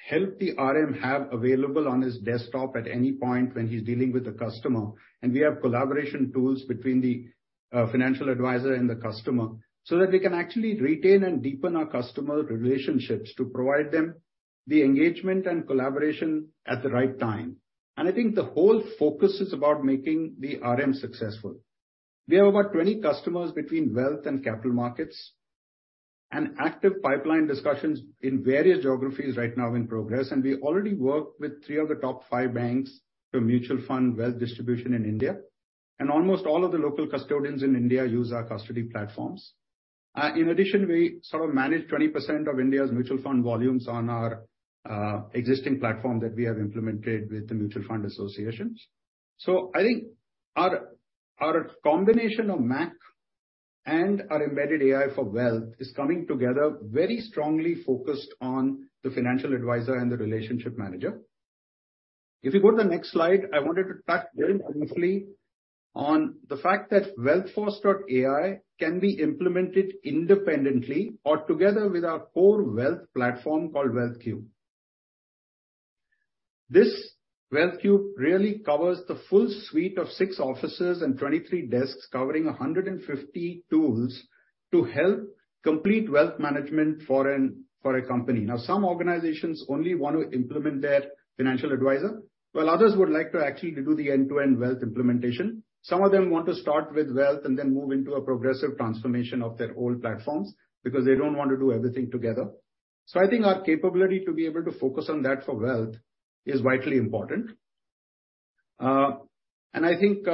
can help the RM have available on his desktop at any point when he's dealing with a customer. We have collaboration tools between the financial advisor and the customer so that we can actually retain and deepen our customer relationships to provide them the engagement and collaboration at the right time. I think the whole focus is about making the RM successful. We have about 20 customers between wealth and capital markets, and active pipeline discussions in various geographies right now in progress. We already work with 3 of the top 5 banks for mutual fund wealth distribution in India. Almost all of the local custodians in India use our custody platforms. In addition, we sort of manage 20% of India's mutual fund volumes on our existing platform that we have implemented with the mutual fund associations. I think our combination of MACH and our embedded AI for wealth is coming together very strongly focused on the financial advisor and the relationship manager. If you go to the next slide, I wanted to touch very briefly on the fact that WealthForce.ai can be implemented independently or together with our core wealth platform called WealthCube. This WealthCube really covers the full suite of 6 offices and 23 desks covering 150 tools to help complete wealth management for a company. Now, some organizations only want to implement their financial advisor, while others would like to actually do the end-to-end wealth implementation. Some of them want to start with wealth and then move into a progressive transformation of their old platforms because they don't want to do everything together. I think our capability to be able to focus on that for wealth is vitally important. And I think,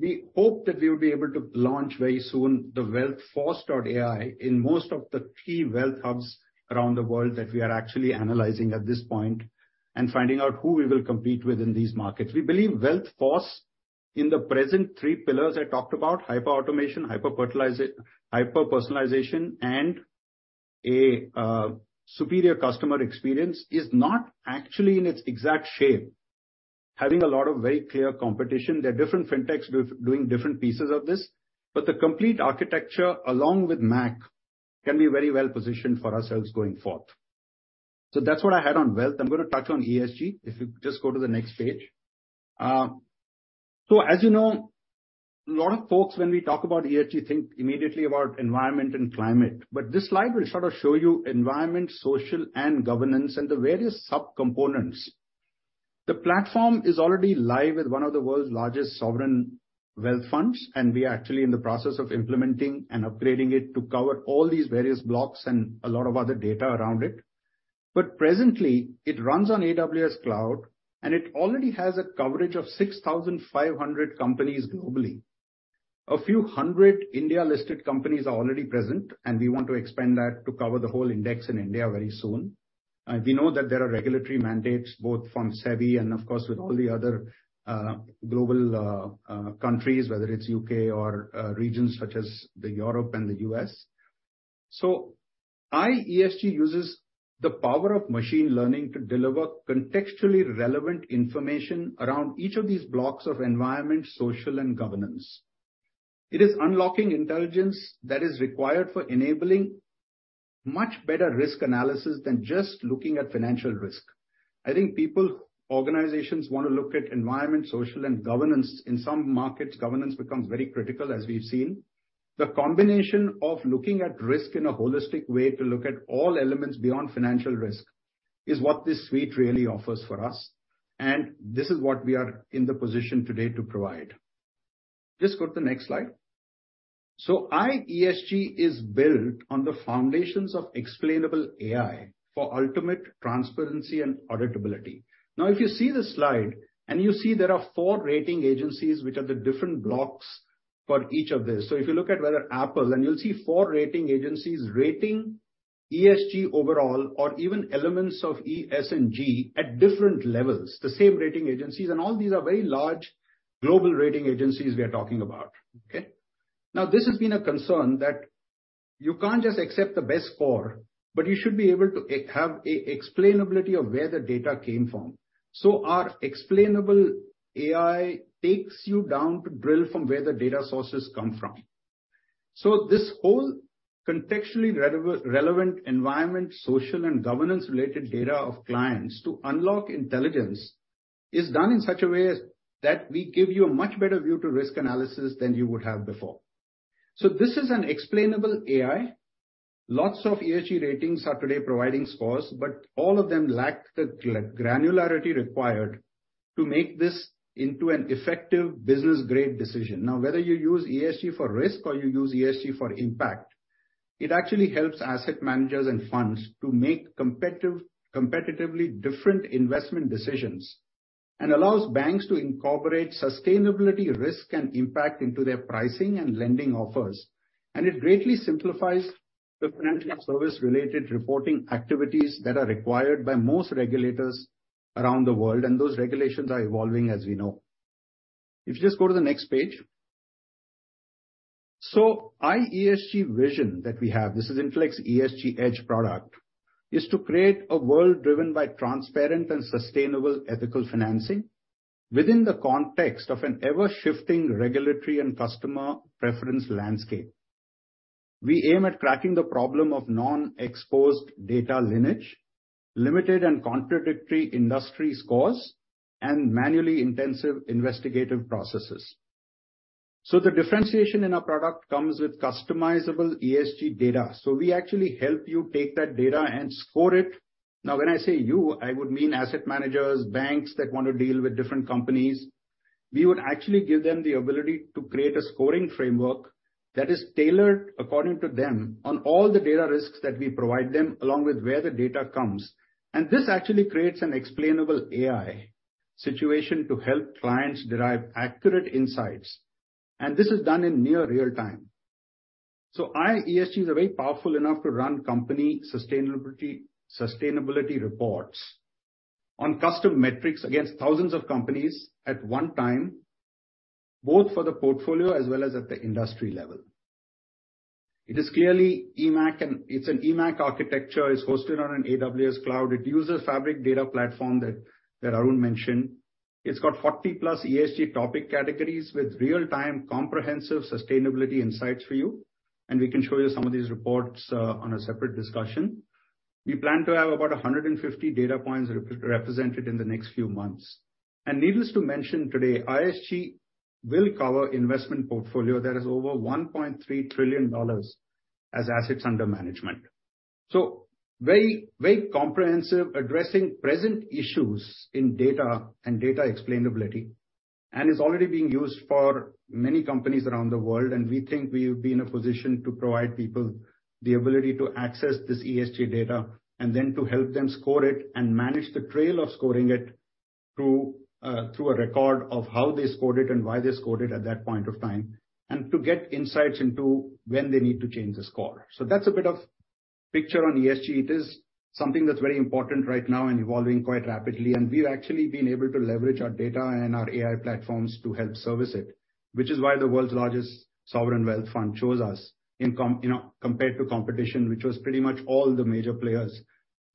we hope that we will be able to launch very soon the WealthForce.AI in most of the key wealth hubs around the world that we are actually analyzing at this point and finding out who we will compete with in these markets. We believe WealthForce in the present three pillars I talked about, hyperautomation, hyperpersonalization, and a superior customer experience, is not actually in its exact shape, having a lot of very clear competition. There are different fintechs doing different pieces of this, but the complete architecture along with MACH can be very well positioned for ourselves going forth. That's what I had on wealth. I'm gonna touch on ESG, if you just go to the next page. As you know, a lot of folks when we talk about ESG, think immediately about environment and climate. This slide will sort of show you environment, social, and governance and the various subcomponents. The platform is already live with one of the world's largest sovereign wealth funds, and we are actually in the process of implementing and upgrading it to cover all these various blocks and a lot of other data around it. Presently, it runs on AWS Cloud, and it already has a coverage of 6,500 companies globally. A few hundred India-listed companies are already present, and we want to expand that to cover the whole index in India very soon. We know that there are regulatory mandates both from SEBI and of course with all the other global countries, whether it's UK or regions such as Europe and the US. iESG uses the power of machine learning to deliver contextually relevant information around each of these blocks of environment, social, and governance. It is unlocking intelligence that is required for enabling much better risk analysis than just looking at financial risk. I think people, organizations want to look at environment, social, and governance. In some markets, governance becomes very critical, as we've seen. The combination of looking at risk in a holistic way to look at all elements beyond financial risk is what this suite really offers for us, and this is what we are in the position today to provide. Just go to the next slide. iESG is built on the foundations of explainable AI for ultimate transparency and auditability. If you see this slide, and you see there are four rating agencies which are the different blocks. For each of this. If you look at whether Apple, and you'll see four rating agencies rating ESG overall or even elements of ES&G at different levels, the same rating agencies. All these are very large global rating agencies we are talking about. Okay. This has been a concern that you can't just accept the best score, but you should be able to have a explainability of where the data came from. Our explainable AI takes you down to drill from where the data sources come from. This whole contextually relevant environment, social and governance related data of clients to unlock intelligence is done in such a way as that we give you a much better view to risk analysis than you would have before. This is an explainable AI. Lots of ESG ratings are today providing scores, but all of them lack the granularity required to make this into an effective business grade decision. Now, whether you use ESG for risk or you use ESG for impact, it actually helps asset managers and funds to make competitive, competitively different investment decisions. Allows banks to incorporate sustainability risk and impact into its pricing and lending offers. It greatly simplifies the financial service related reporting activities that are required by most regulators around the world, and those regulations are evolving as we know. If you just go to the next page. iESG vision that we have, this is Intellect's ESG Edge product, is to create a world driven by transparent and sustainable ethical financing within the context of an ever-shifting regulatory and customer preference landscape. We aim at cracking the problem of non-exposed data lineage, limited and contradictory industry scores, and manually intensive investigative processes. The differentiation in our product comes with customizable ESG data. We actually help you take that data and score it. Now, when I say you, I would mean asset managers, banks that want to deal with different companies. We would actually give them the ability to create a scoring framework that is tailored according to them on all the data risks that we provide them, along with where the data comes. This actually creates an explainable AI situation to help clients derive accurate insights, and this is done in near real time. iESG is very powerful enough to run company sustainability reports on custom metrics against thousands of companies at one time, both for the portfolio as well as at the industry level. It is clearly eMACH.ai and it's an eMACH.ai architecture. It's hosted on an AWS cloud. It uses Fabric Data platform that Arun mentioned. It's got 40+ ESG topic categories with real-time comprehensive sustainability insights for you, and we can show you some of these reports on a separate discussion. We plan to have about 150 data points represented in the next few months. Needless to mention today, iESG will cover investment portfolio that is over $1.3 trillion as assets under management. Very, very comprehensive, addressing present issues in data and data explainability, and is already being used for many companies around the world. We think we'll be in a position to provide people the ability to access this ESG data and then to help them score it and manage the trail of scoring it through a record of how they scored it and why they scored it at that point of time, and to get insights into when they need to change the score. That's a bit of picture on ESG. It is something that's very important right now and evolving quite rapidly, and we've actually been able to leverage our data and our AI platforms to help service it. Which is why the world's largest sovereign wealth fund chose us You know, compared to competition, which was pretty much all the major players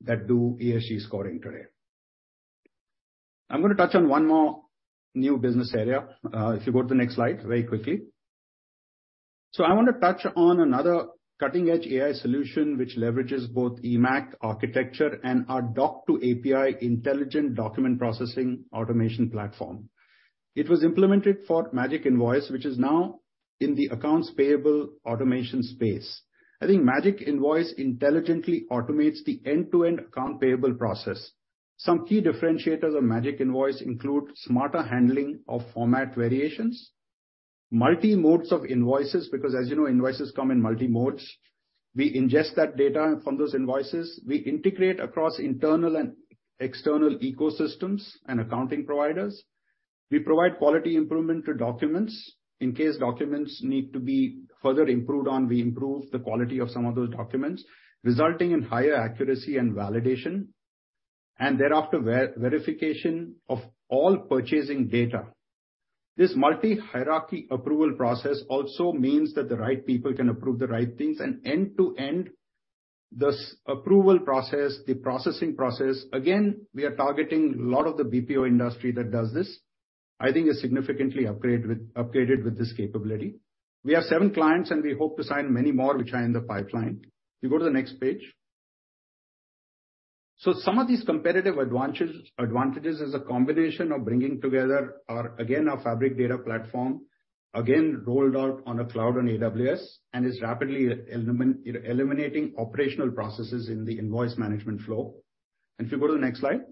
that do ESG scoring today. I'm gonna touch on one more new business area. If you go to the next slide very quickly. I wanna touch on another cutting-edge AI solution which leverages both eMACH architecture and our Doc2API intelligent document processing automation platform. It was implemented for Magic Invoice, which is now in the accounts payable automation space. I think Magic Invoice intelligently automates the end-to-end accounts payable process. Some key differentiators of Magic Invoice include smarter handling of format variations, multi modes of invoices, because as you know, invoices come in multi modes. We ingest that data from those invoices. We integrate across internal and external ecosystems and accounting providers. We provide quality improvement to documents. In case documents need to be further improved on, we improve the quality of some of those documents, resulting in higher accuracy and validation. Thereafter, verification of all purchasing data. This multi-hierarchy approval process also means that the right people can approve the right things. End-to-end this approval process, the processing process, again, we are targeting a lot of the BPO industry that does this. I think is significantly upgraded with this capability. We have seven clients. We hope to sign many more which are in the pipeline. We go to the next page. Some of these competitive advantages is a combination of bringing together our, again, our Fabric Data platform, again, rolled out on a cloud on AWS, is rapidly eliminating operational processes in the invoice management flow. If you go to the next slide.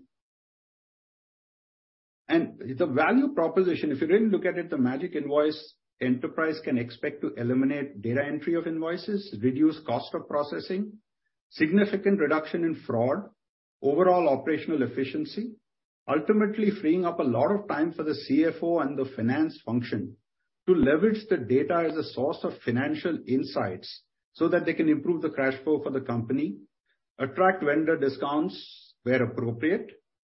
The value proposition, if you really look at it, the Magic Invoice enterprise can expect to eliminate data entry of invoices, reduce cost of processing, significant reduction in fraud. Overall operational efficiency, ultimately freeing up a lot of time for the CFO and the finance function to leverage the data as a source of financial insights so that they can improve the cash flow for the company, attract vendor discounts where appropriate,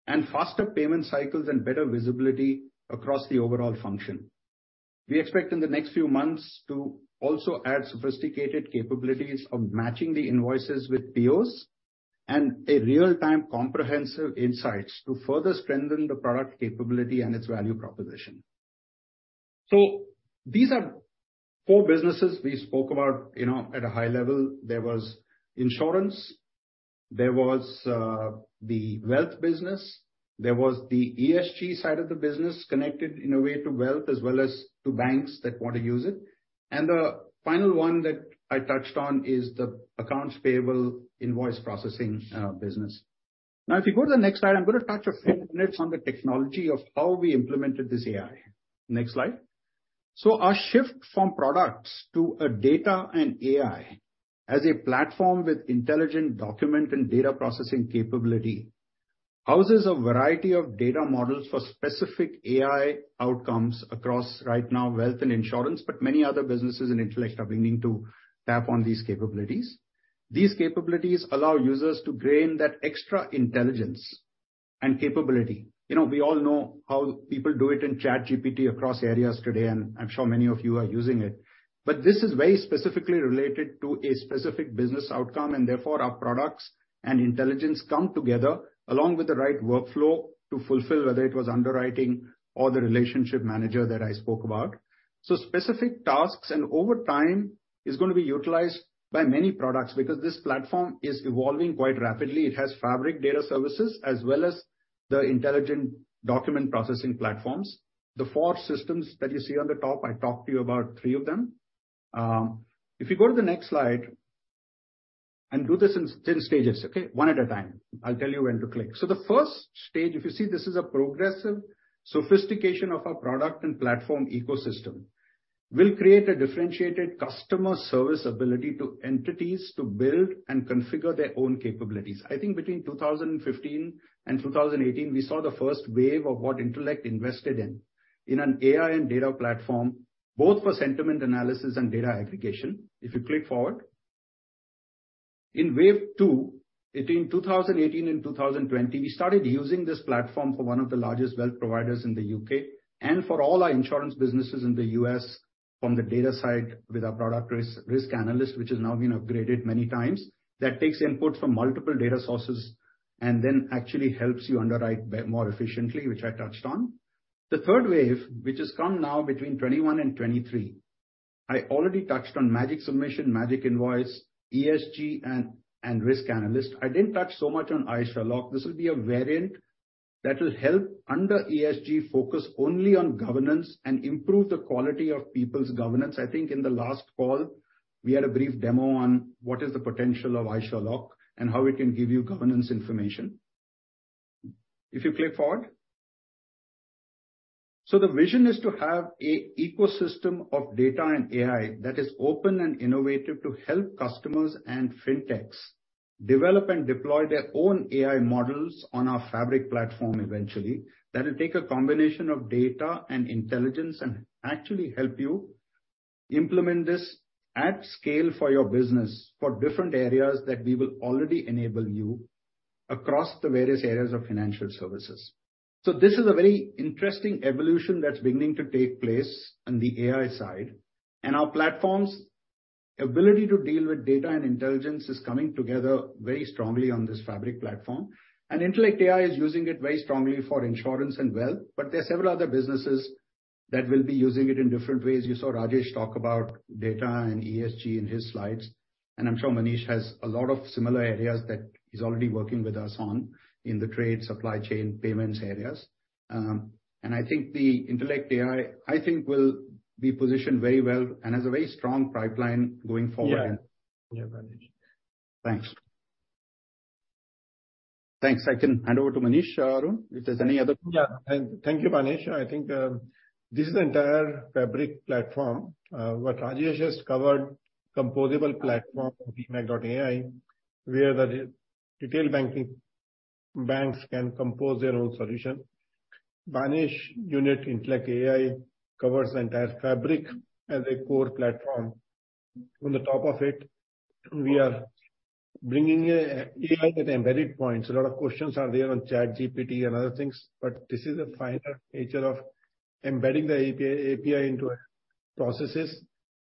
and faster payment cycles and better visibility across the overall function. We expect in the next few months to also add sophisticated capabilities of matching the invoices with POs and a real-time comprehensive insights to further strengthen the product capability and its value proposition. These are four businesses we spoke about, you know, at a high level. There was insurance. There was the wealth business. There was the ESG side of the business connected in a way to wealth, as well as to banks that want to use it. The final one that I touched on is the accounts payable invoice processing business. If you go to the next slide, I'm gonna touch a few minutes on the technology of how we implemented this AI. Next slide. Our shift from products to a data and AI as a platform with intelligent document and data processing capability houses a variety of data models for specific AI outcomes across right now wealth and insurance, but many other businesses in Intellect are beginning to tap on these capabilities. These capabilities allow users to gain that extra intelligence and capability. You know, we all know how people do it in ChatGPT across areas today, and I'm sure many of you are using it. This is very specifically related to a specific business outcome, and therefore, our products and intelligence come together along with the right workflow to fulfill, whether it was underwriting or the relationship manager that I spoke about. Specific tasks, and over time is gonna be utilized by many products because this platform is evolving quite rapidly. It has Fabric data services as well as the intelligent document processing platforms. The four systems that you see on the top, I talked to you about 3 of them. If you go to the next slide and do this in 10 stages, okay? One at a time. I'll tell you when to click. The first stage, if you see this is a progressive sophistication of our product and platform ecosystem, will create a differentiated customer service ability to entities to build and configure their own capabilities. I think between 2015 and 2018, we saw the first wave of what Intellect invested in an AI and data platform, both for sentiment analysis and data aggregation. If you click forward. In Wave 2, between 2018 and 2020, we started using this platform for one of the largest wealth providers in the U.K. and for all our insurance businesses in the U.S. from the data side with our product Risk Analyst, which has now been upgraded many times, that takes input from multiple data sources and then actually helps you underwrite more efficiently, which I touched on. The Wave 3, which has come now between 21 and 23, I already touched on Magic Submission, Magic Invoice, ESG and Risk Analyst. I didn't touch so much on AI Sherlock. This will be a variant that will help under ESG focus only on governance and improve the quality of people's governance. I think in the last call, we had a brief demo on what is the potential of AI Sherlock and how it can give you governance information. If you click forward. The vision is to have an ecosystem of data and AI that is open and innovative to help customers and fintechs develop and deploy their own AI models on our Fabric platform eventually. That will take a combination of data and intelligence and actually help you implement this at scale for your business for different areas that we will already enable you across the various areas of financial services. This is a very interesting evolution that's beginning to take place on the AI side. Our platform's ability to deal with data and intelligence is coming together very strongly on this Fabric platform. IntellectAI is using it very strongly for insurance and wealth, but there are several other businesses that will be using it in different ways. You saw Rajesh talk about data and ESG in his slides, I'm sure Manish has a lot of similar areas that he's already working with us on in the trade supply chain payments areas. I think IntellectAI, I think will be positioned very well and has a very strong pipeline going forward. Yeah. Yeah, Banesh. Thanks. Thanks. I can hand over to Banesh or Arun if there's any other- Yeah. Thank you, Manish. I think, this is the entire Fabric platform, where Rajesh has covered composable platform of eMACH.ai, where the retail banking banks can compose their own solution. Manish unit IntellectAI covers the entire Fabric as a core platform. On the top of it, we are bringing a AI with embedded points. A lot of questions are there on ChatGPT and other things, this is the final nature of embedding the API into processes.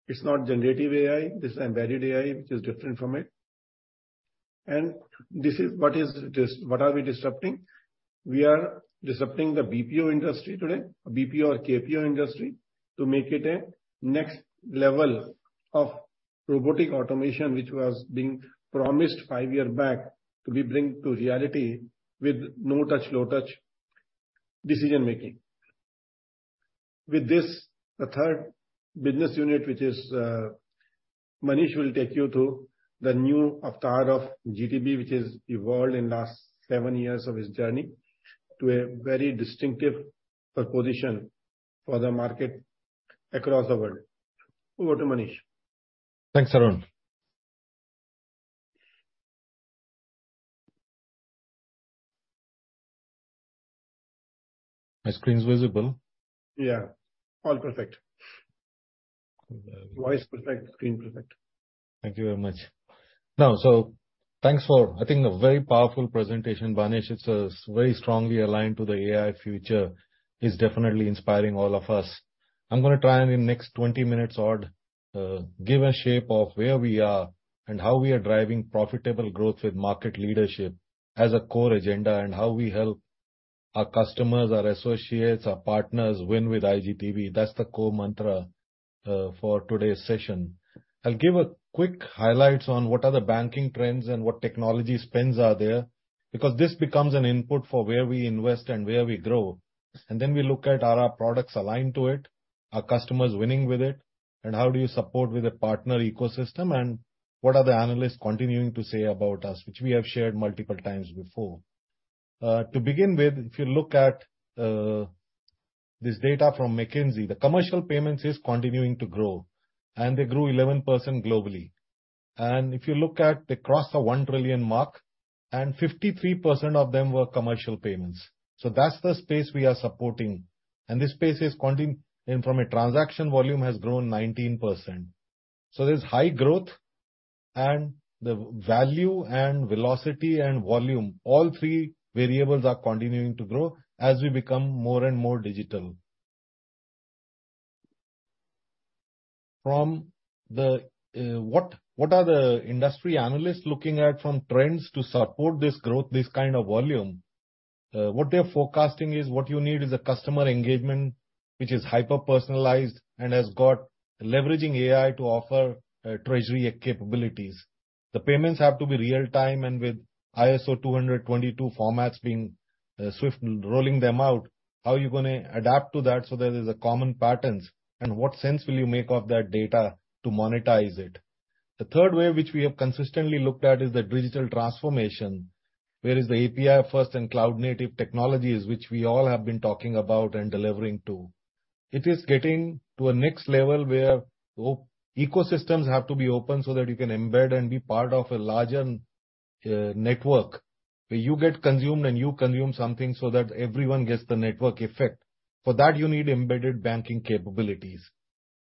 It's not generative AI, this is embedded AI, which is different from it. This is what are we disrupting. We are disrupting the BPO industry today, BPO or KPO industry, to make it a next level of robotic automation, which was being promised 5 year back to be bring to reality with no touch, low touch decision-making. With this, the third business unit, which is Manish will take you through the new avatar of iGTB, which has evolved in last seven years of its journey to a very distinctive proposition for the market across the world. Over to Manish. Thanks, Arun. My screen's visible? Yeah. All perfect. Okay. Voice perfect, screen perfect. Thank you very much. Thanks for, I think, a very powerful presentation, Banesh. It's very strongly aligned to the AI future. It's definitely inspiring all of us. I'm gonna try and in next 20 minutes odd, give a shape of where we are and how we are driving profitable growth with market leadership as a core agenda, and how we help our customers, our associates, our partners win with iGTB. That's the core mantra for today's session. I'll give a quick highlights on what are the banking trends and what technology spends are there, because this becomes an input for where we invest and where we grow. Then we look at are our products aligned to it, are customers winning with it, and how do you support with a partner ecosystem, and what are the analysts continuing to say about us, which we have shared multiple times before. To begin with, if you look at this data from McKinsey, the commercial payments is continuing to grow, and they grew 11% globally. If you look at they crossed the $1 trillion mark, and 53% of them were commercial payments. That's the space we are supporting. This space is and from a transaction volume has grown 19%. There's high growth, and the value and velocity and volume, all three variables are continuing to grow as we become more and more digital. From the what are the industry analysts looking at from trends to support this growth, this kind of volume? What they're forecasting is what you need is a customer engagement which is hyper-personalized and has got leveraging AI to offer treasury capabilities. The payments have to be real-time and with ISO 20022 formats being SWIFT rolling them out, how are you gonna adapt to that so there is a common patterns, and what sense will you make of that data to monetize it? The third way which we have consistently looked at is the digital transformation, where is the API-first and cloud-native technologies which we all have been talking about and delivering to. It is getting to a next level where ecosystems have to be open so that you can embed and be part of a larger network, where you get consumed and you consume something so that everyone gets the network effect. You need embedded banking capabilities.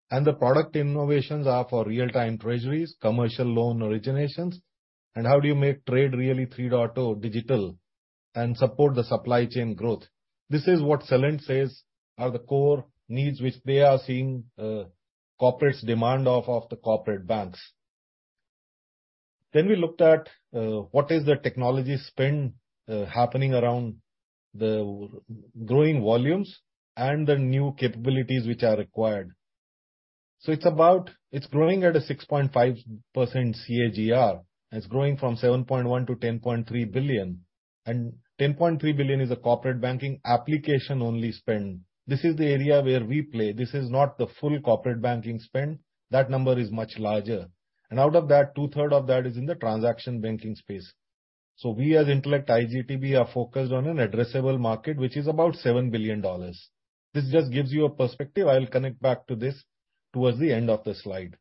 The product innovations are for real-time treasuries, commercial loan originations, and how do you make trade really 3.0 digital and support the supply chain growth. This is what Celent says are the core needs which they are seeing corporates demand of the corporate banks. We looked at what is the technology spend happening around the growing volumes and the new capabilities which are required. It is growing at a 6.5% CAGR. It is growing from $7.1 billion-$10.3 billion. $10.3 billion is a corporate banking application only spend. This is the area where we play. This is not the full corporate banking spend. That number is much larger. Out of that, two-third of that is in the transaction banking space. We as Intellect iGTB are focused on an addressable market, which is about $7 billion. This just gives you a perspective. I'll connect back to this towards the end of the slide.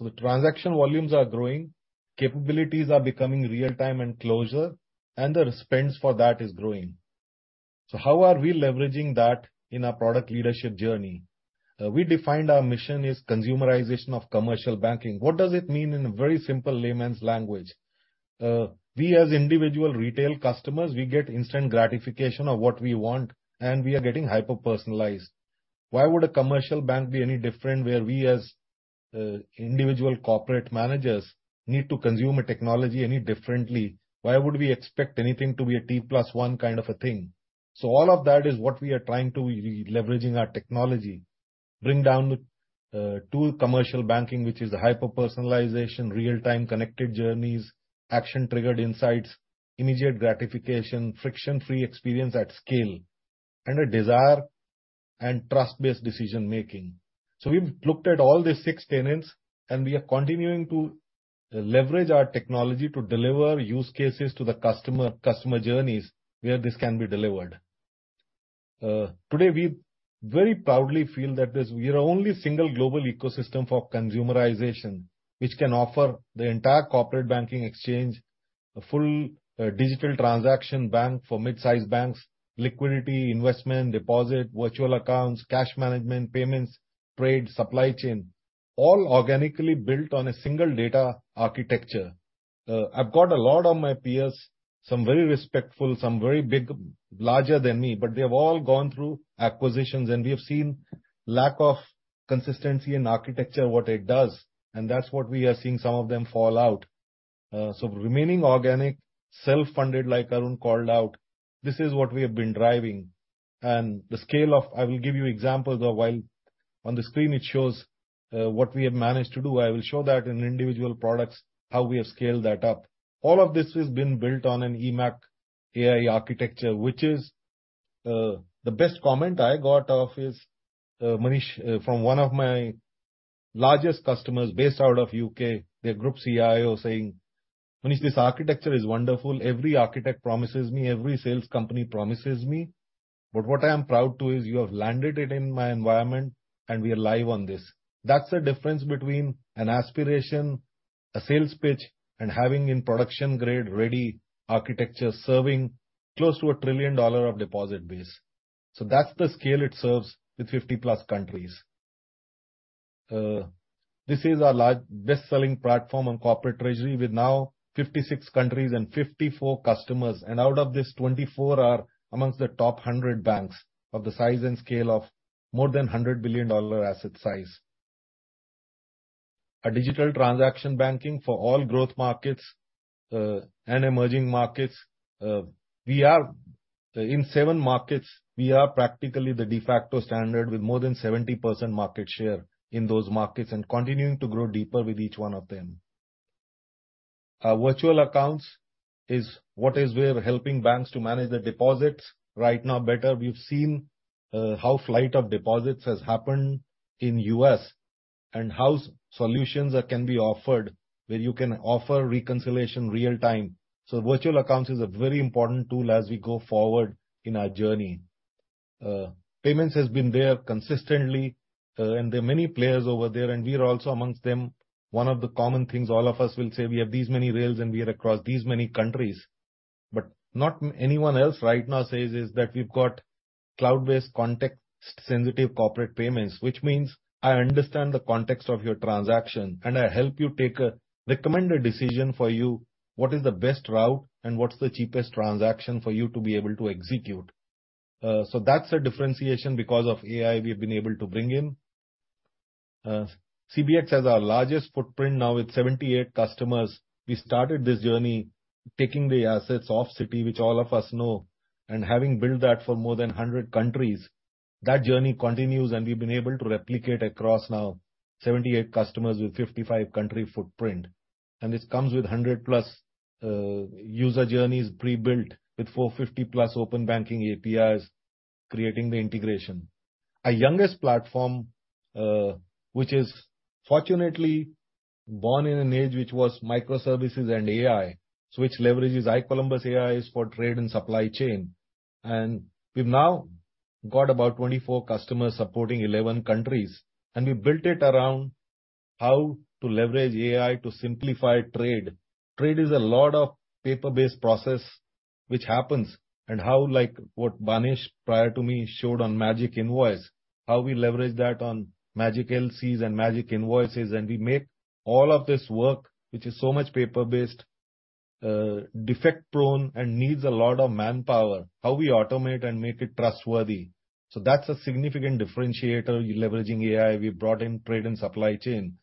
The transaction volumes are growing, capabilities are becoming real-time and closure, and the spends for that is growing. How are we leveraging that in our product leadership journey? We defined our mission is consumerization of commercial banking. What does it mean in a very simple layman's language? We as individual retail customers, we get instant gratification of what we want and we are getting hyper-personalized. Why would a commercial bank be any different where we as, individual corporate managers need to consume a technology any differently? Why would we expect anything to be a T plus 1 kind of a thing? All of that is what we are trying to be leveraging our technology. Bring down the, tool commercial banking, which is hyper-personalization, real-time connected journeys, action-triggered insights, immediate gratification, friction-free experience at scale, and a desire and trust-based decision-making. We've looked at all these six tenets, and we are continuing to leverage our technology to deliver use cases to the customer journeys where this can be delivered. Today, we very proudly feel that this... We are only single global ecosystem for consumerization which can offer the entire Corporate Banking eXchange, a full digital transaction bank for midsize banks, liquidity, investment, deposit, virtual accounts, cash management, payments, trade, supply chain, all organically built on a single data architecture. I've got a lot of my peers, some very respectful, some very big, larger than me, but they have all gone through acquisitions, and we have seen lack of consistency in architecture, what it does, and that's what we are seeing some of them fall out. Remaining organic, self-funded, like Arun called out, this is what we have been driving. The scale of... I will give you examples of while on the screen it shows what we have managed to do. I will show that in individual products, how we have scaled that up. All of this has been built on an eMACH.ai architecture, which is the best comment I got of is Manish from one of my largest customers based out of U.K., their group CIO saying: 'When this architecture is wonderful, every architect promises me, every sales company promises me. What I am proud to is you have landed it in my environment, and we are live on this.' That's the difference between an aspiration, a sales pitch, and having in production grade ready architecture serving close to a $1 trillion-dollar of deposit base. That's the scale it serves with 50+ countries. This is our large best-selling platform on corporate treasury with now 56 countries and 54 customers. Out of this, 24 are amongst the top 100 banks of the size and scale of more than $100 billion dollar asset size. A digital transaction banking for all growth markets, and emerging markets. We are in even markets, we are practically the de facto standard with more than 70% market share in those markets and continuing to grow deeper with each one of them. Our virtual accounts is what is we're helping banks to manage their deposits right now better. We've seen how flight of deposits has happened in U.S. and how solutions can be offered where you can offer reconciliation real-time. Virtual accounts is a very important tool as we go forward in our journey. Payments has been there consistently, and there are many players over there, and we are also amongst them. One of the common things all of us will say we have these many rails and we are across these many countries. Not anyone else right now says is that we've got cloud-based context-sensitive corporate payments, which means I understand the context of your transaction, and I help you take a recommended decision for you, what is the best route and what's the cheapest transaction for you to be able to execute. That's a differentiation because of AI we've been able to bring in. CBX has our largest footprint now with 78 customers. We started this journey taking the assets off Citi, which all of us know, and having built that for more than 100 countries. That journey continues, and we've been able to replicate across now 78 customers with 55 country footprint. This comes with 100+ user journeys pre-built with 450+ open banking APIs, creating the integration. Our youngest platform, which is fortunately born in an age which was microservices and AI, which leverages iColumbus.ai for trade and supply chain. We've now got about 24 customers supporting 11 countries. We built it around how to leverage AI to simplify trade. Trade is a lot of paper-based process which happens and how, like what Manish Maakan prior to me showed on Magic Invoice, how we leverage that on Magic LCs and Magic Invoices, and we make all of this work, which is so much paper-based, defect-prone, and needs a lot of manpower, how we automate and make it trustworthy. That's a significant differentiator, leveraging AI. We've brought in trade and supply chain,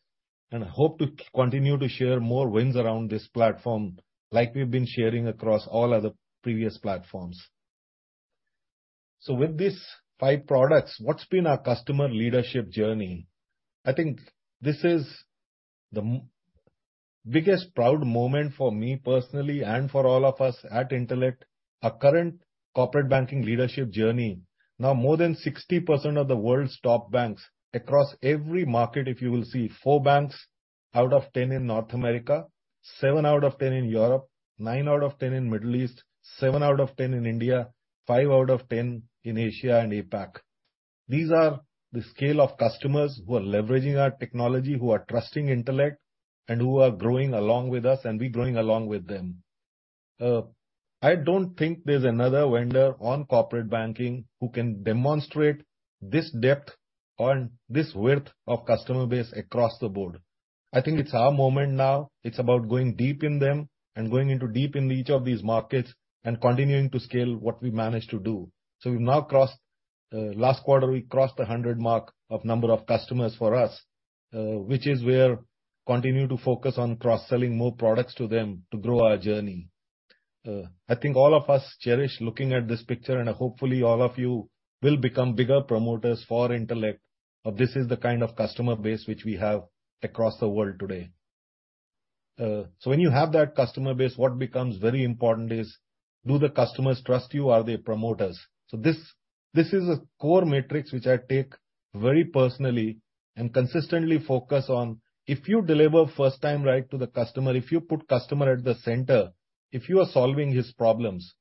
I hope to continue to share more wins around this platform like we've been sharing across all other previous platforms. With these 5 products, what's been our customer leadership journey? I think this is the biggest proud moment for me personally and for all of us at Intellect, our current corporate banking leadership journey. More than 60% of the world's top banks across every market, if you will see, 4 banks out of 10 in North America, 7 out of 10 in Europe, 9 out of 10 in Middle East, 7 out of 10 in India, 5 out of 10 in Asia and APAC. These are the scale of customers who are leveraging our technology, who are trusting Intellect, and who are growing along with us, and we're growing along with them. I don't think there's another vendor on corporate banking who can demonstrate this depth and this width of customer base across the board. I think it's our moment now. It's about going deep in them and going into deep in each of these markets and continuing to scale what we managed to do. We've now crossed, last quarter, we crossed a 100 mark of number of customers for us, which is we're continue to focus on cross-selling more products to them to grow our journey. I think all of us cherish looking at this picture, and hopefully, all of you will become bigger promoters for Intellect. This is the kind of customer base which we have across the world today. When you have that customer base, what becomes very important is do the customers trust you? Are they promoters? This is a core matrix which I take very personally and consistently focus on. If you deliver first time right to the customer, if you put customer at the center, if you are solving his problems,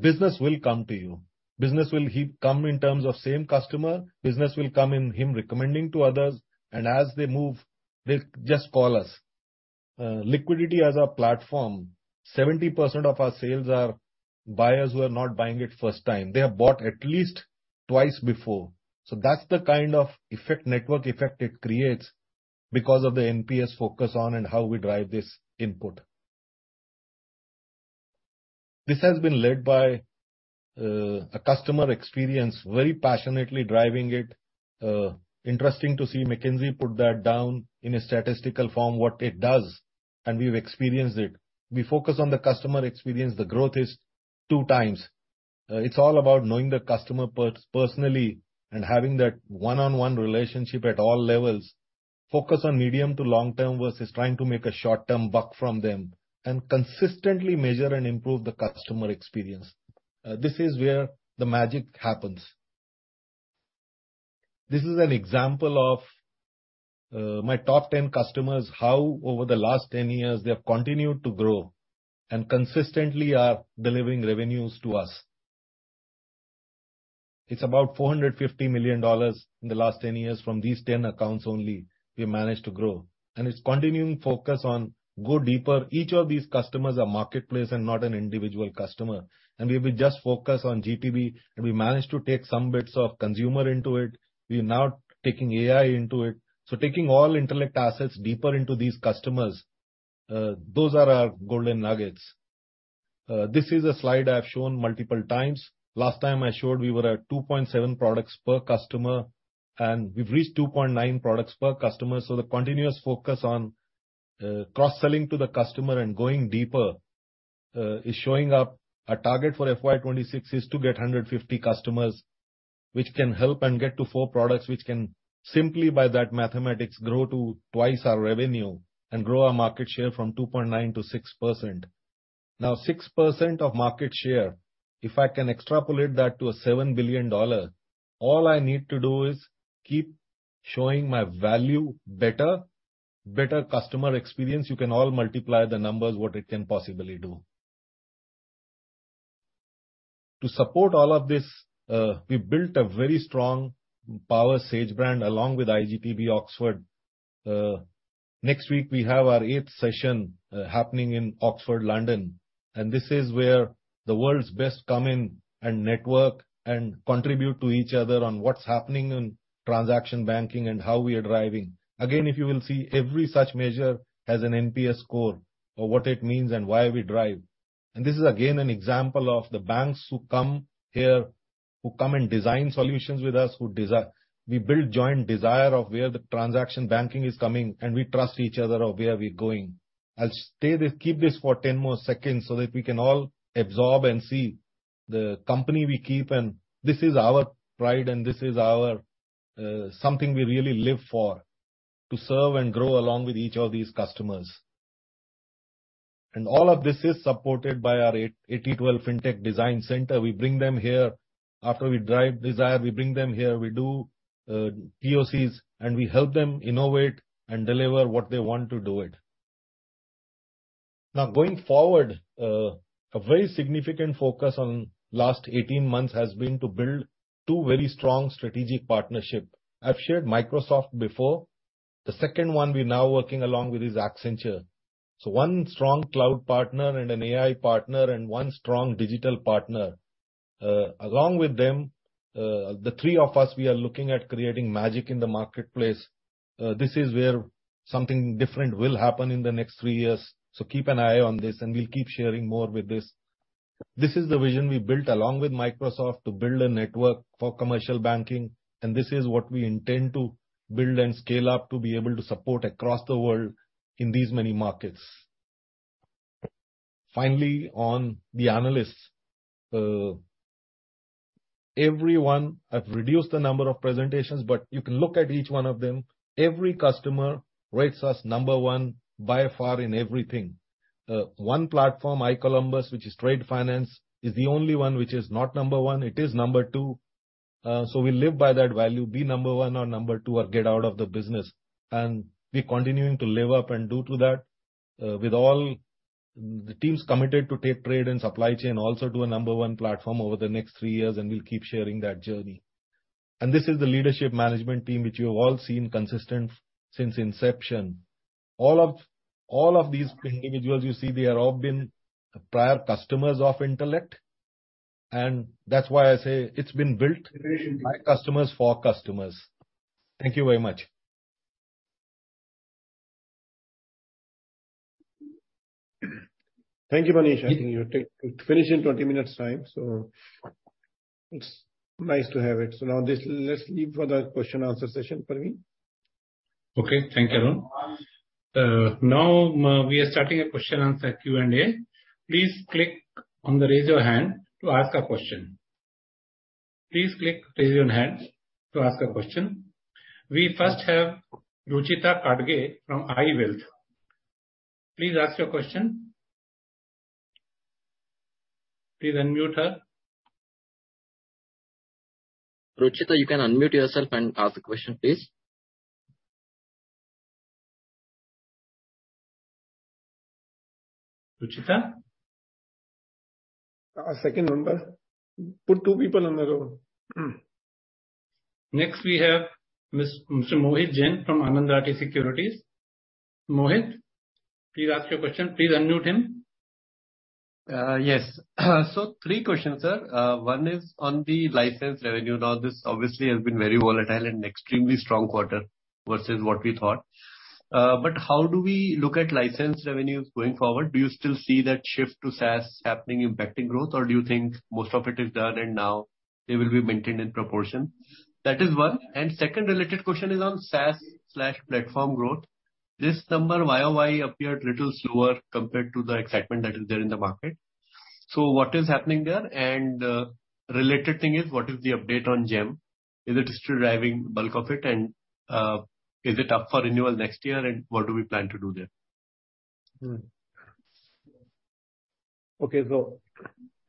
business will come to you. Business will come in terms of same customer. Business will come in him recommending to others. As they move, they'll just call us. liquidity as our platform, 70% of our sales are buyers who are not buying it first time. They have bought at least twice before. That's the kind of effect, network effect it creates because of the NPS focus on and how we drive this input. This has been led by a customer experience, very passionately driving it. interesting to see McKinsey put that down in a statistical form, what it does, and we've experienced it. We focus on the customer experience. The growth is two times. It's all about knowing the customer per-personally and having that one-on-one relationship at all levels. Focus on medium to long-term versus trying to make a short-term buck from them and consistently measure and improve the customer experience. This is where the magic happens. This is an example of my top 10 customers, how over the last 10 years they have continued to grow and consistently are delivering revenues to us. It's about $450 million in the last 10 years from these 10 accounts only we managed to grow. It's continuing focus on go deeper. Each of these customers are marketplace and not an individual customer. We've been just focused on GTB, and we managed to take some bits of consumer into it. We're now taking AI into it. Taking all Intellect assets deeper into these customers, those are our golden nuggets. This is a slide I've shown multiple times. Last time I showed we were at 2.7 products per customer, and we've reached 2.9 products per customer. The continuous focus on cross-selling to the customer and going deeper is showing up. Our target for FY 2026 is to get 150 customers which can help and get to four products, which can simply by that mathematics, grow to twice our revenue and grow our market share from 2.9% to 6%. 6% of market share, if I can extrapolate that to a $7 billion, all I need to do is keep showing my value better customer experience. You can all multiply the numbers, what it can possibly do. To support all of this, we built a very strong FlowSage brand along with iGTB Oxford. Next week we have our eighth session happening in Oxford, London, and this is where the world's best come in and network and contribute to each other on what's happening in transaction banking and how we are driving. Again, if you will see every such measure has an NPS score or what it means and why we drive. This is again an example of the banks who come here, who come and design solutions with us. We build joint desire of where the transaction banking is coming, and we trust each other of where we're going. I'll keep this for 10 more seconds so that we can all absorb and see the company we keep. This is our pride and this is our something we really live for, to serve and grow along with each of these customers. All of this is supported by our 8012 FinTech Design Center. We bring them here. After we drive desire, we bring them here. We do POCs, and we help them innovate and deliver what they want to do it. Going forward, a very significant focus on last 18 months has been to build two very strong strategic partnership. I've shared Microsoft before. The second one we're now working along with is Accenture. One strong cloud partner and an AI partner and one strong digital partner. Along with them, the three of us, we are looking at creating magic in the marketplace. This is where something different will happen in the next three years. Keep an eye on this and we'll keep sharing more with this. This is the vision we built along with Microsoft to build a network for commercial banking, and this is what we intend to build and scale up to be able to support across the world in these many markets. Finally, on the analysts, everyone, I've reduced the number of presentations, but you can look at each one of them. Every customer rates us number one by far in everything. One platform, iColumbus, which is trade finance, is the only one which is not number one. It is number two. We live by that value, be number one or number two or get out of the business. We're continuing to live up and do to that, with all the teams committed to take trade and supply chain also to a number 1 platform over the next 3 years, we'll keep sharing that journey. This is the leadership management team, which you have all seen consistent since inception. All of these individuals you see, they have all been prior customers of Intellect. That's why I say it's been built by customers for customers. Thank you very much. Thank you, Manish. I think you have finished in 20 minutes time. It's nice to have it. Now this, let's leave for the question and answer session, Parvin. Okay. Thank you, everyone. Now, we are starting a question and answer Q&A. Please click on the Raise Your Hand to ask a question. Please click Raise Your Hand to ask a question. We first have Ruchita Kadge from IWealth. Please ask your question. Please unmute her. Ruchita, you can unmute yourself and ask the question, please. Ruchita? Our second member. Put two people on the road. We have Mr. Mohit Jain from Anand Rathi Securities. Mohit, please ask your question. Please unmute him. Yes. Three questions, sir. One is on the license revenue. Now, this obviously has been very volatile and extremely strong quarter versus what we thought. How do we look at license revenues going forward? Do you still see that shift to SaaS happening impacting growth, or do you think most of it is done and now they will be maintained in proportion? That is one. Second related question is on SaaS/platform growth. This number YoY appeared little slower compared to the excitement that is there in the market. What is happening there? Related thing is what is the update on GeM? Is it still driving bulk of it, and is it up for renewal next year, and what do we plan to do there? Mm-hmm. Okay.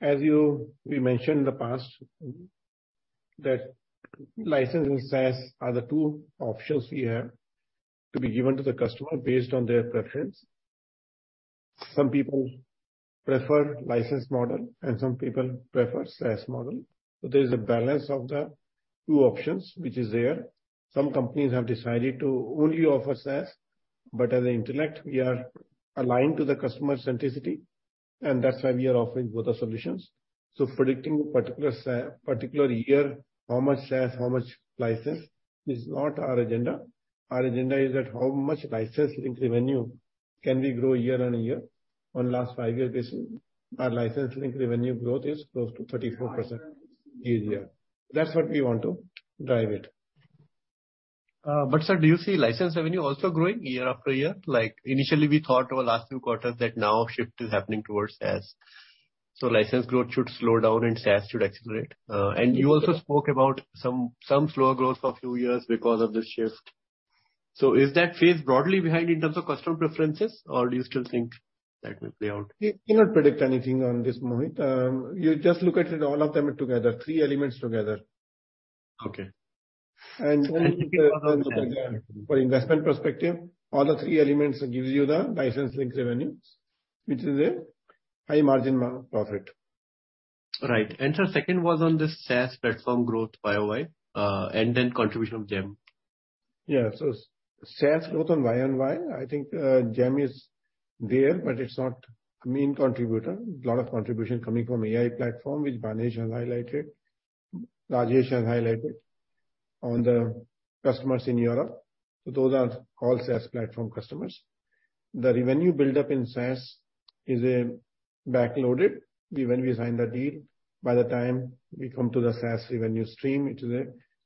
As we mentioned in the past that license and SaaS are the two options we have to be given to the customer based on their preference. Some people prefer licensed model and some people prefer SaaS model. There is a balance of the two options which is there. Some companies have decided to only offer SaaS, as Intellect, we are aligned to the customer centricity, and that's why we are offering both the solutions. Predicting particular year, how much SaaS, how much license is not our agenda. Our agenda is that how much license link revenue can we grow year-on-year. On last five years basis, our license link revenue growth is close to 34% year-on-year. That's what we want to drive it. Sir, do you see license revenue also growing year after year? Like, initially we thought over last few quarters that now shift is happening towards SaaS. License growth should slow down and SaaS should accelerate. You also spoke about some slower growth for a few years because of the shift. Is that phase broadly behind in terms of customer preferences, or do you still think that will play out? We cannot predict anything on this, Mohit. You just look at it, all of them together, 3 elements together. Okay. Only if you look at the, for investment perspective, all the three elements gives you the license link revenues, which is a high margin profit. Right. Sir, second was on the SaaS platform growth YOY, and then contribution of GeM. Yeah. SaaS growth on YOY, I think, GeM is there, but it's not main contributor. Lot of contribution coming from AI platform, which Banesh has highlighted, Rajesh has highlighted on the customers in Europe. Those are all SaaS platform customers. The revenue build-up in SaaS is backloaded. When we sign the deal, by the time we come to the SaaS revenue stream, it is a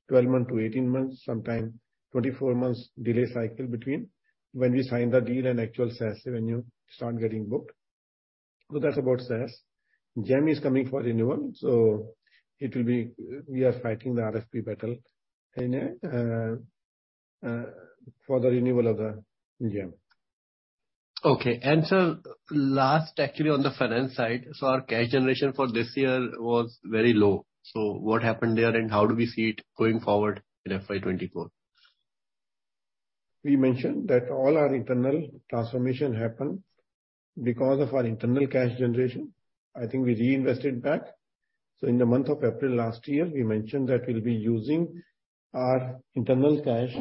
12 month to 18 months, sometime 24 months delay cycle between when we sign the deal and actual SaaS revenue start getting booked. That's about SaaS. GeM is coming for renewal. We are fighting the RFP battle in a for the renewal of the GeM. Okay. Sir, last actually on the finance side. Our cash generation for this year was very low. What happened there and how do we see it going forward in FY 2024? We mentioned that all our internal transformation happened because of our internal cash generation. I think we reinvested back. In the month of April last year, we mentioned that we'll be using our internal cash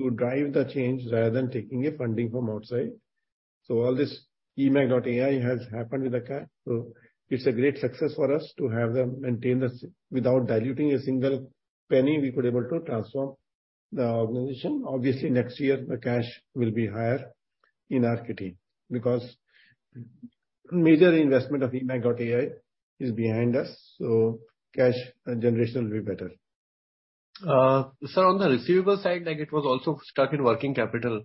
to drive the change rather than taking a funding from outside. All this eMACH.ai has happened with the cash. It's a great success for us to have them maintain this. Without diluting a single penny, we could able to transform the organization. Obviously, next year the cash will be higher in our kitty because major investment of eMACH.ai is behind us, so cash generation will be better. Sir, on the receivable side, like, it was also stuck in working capital,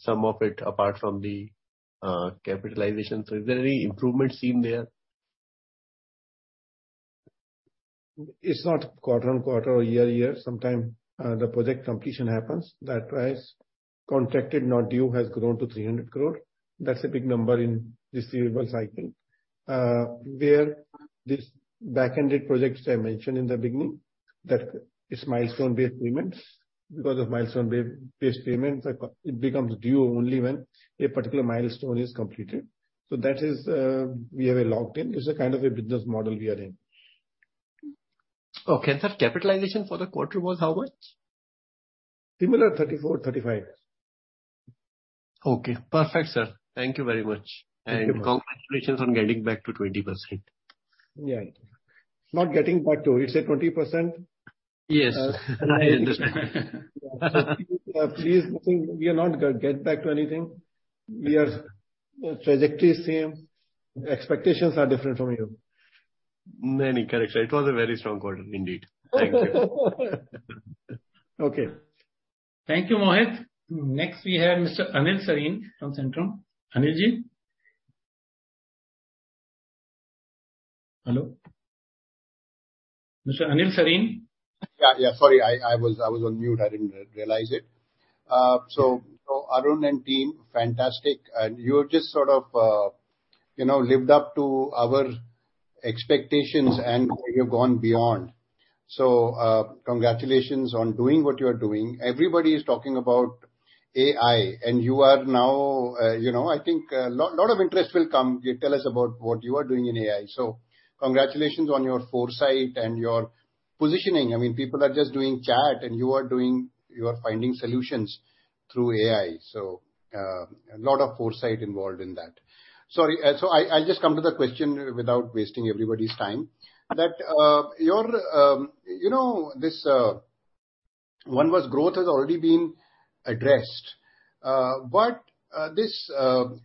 some of it apart from the capitalization. Is there any improvement seen there? It's not quarter-on-quarter or year-to-year. Sometimes, the project completion happens. That rise contracted, not due, has grown to 300 crore. That's a big number in receivable cycle. Where these back-ended projects I mentioned in the beginning, that it's milestone-based payments. Because of milestone-based payments, it becomes due only when a particular milestone is completed. That is, we have it locked in. It's a kind of a business model we are in. Okay. Sir, capitalization for the quarter was how much? Similar, 34, 35. Okay. Perfect, sir. Thank you very much. Thank you. Congratulations on getting back to 20%. You say 20%? Yes. Please nothing. We are not get back to anything. Trajectory is same. The expectations are different from you. No, no, correct, sir. It was a very strong quarter indeed. Thank you. Okay. Thank you, Mohit. Next we have Mr. Anil Sarin from Centrum. Anil Sarin. Hello? Mr. Anil Sarin? Sorry. I was on mute. I didn't realize it. Arun and team, fantastic. You have just sort of, you know, lived up to our expectations and you've gone beyond. Congratulations on doing what you are doing. Everybody is talking about AI and you are now, you know, I think a lot of interest will come. Tell us about what you are doing in AI. Congratulations on your foresight and your positioning. I mean, people are just doing chat and you are finding solutions through AI, a lot of foresight involved in that. Sorry. I'll just come to the question without wasting everybody's time. That, your, you know, this, One was growth has already been addressed, but, this,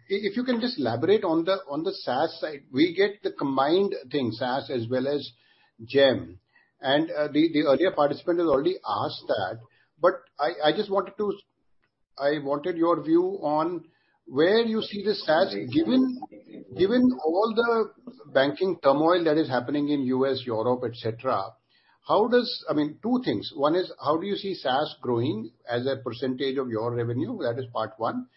if you can just elaborate on the, on the SaaS side? We get the combined thing, SaaS as well as GeM. The, the earlier participant has already asked that, but I wanted your view on where you see the SaaS given all the banking turmoil that is happening in U.S., Europe, et cetera? I mean, two things. One is, how do you see SaaS growing as a percentage of your revenue? That is part one.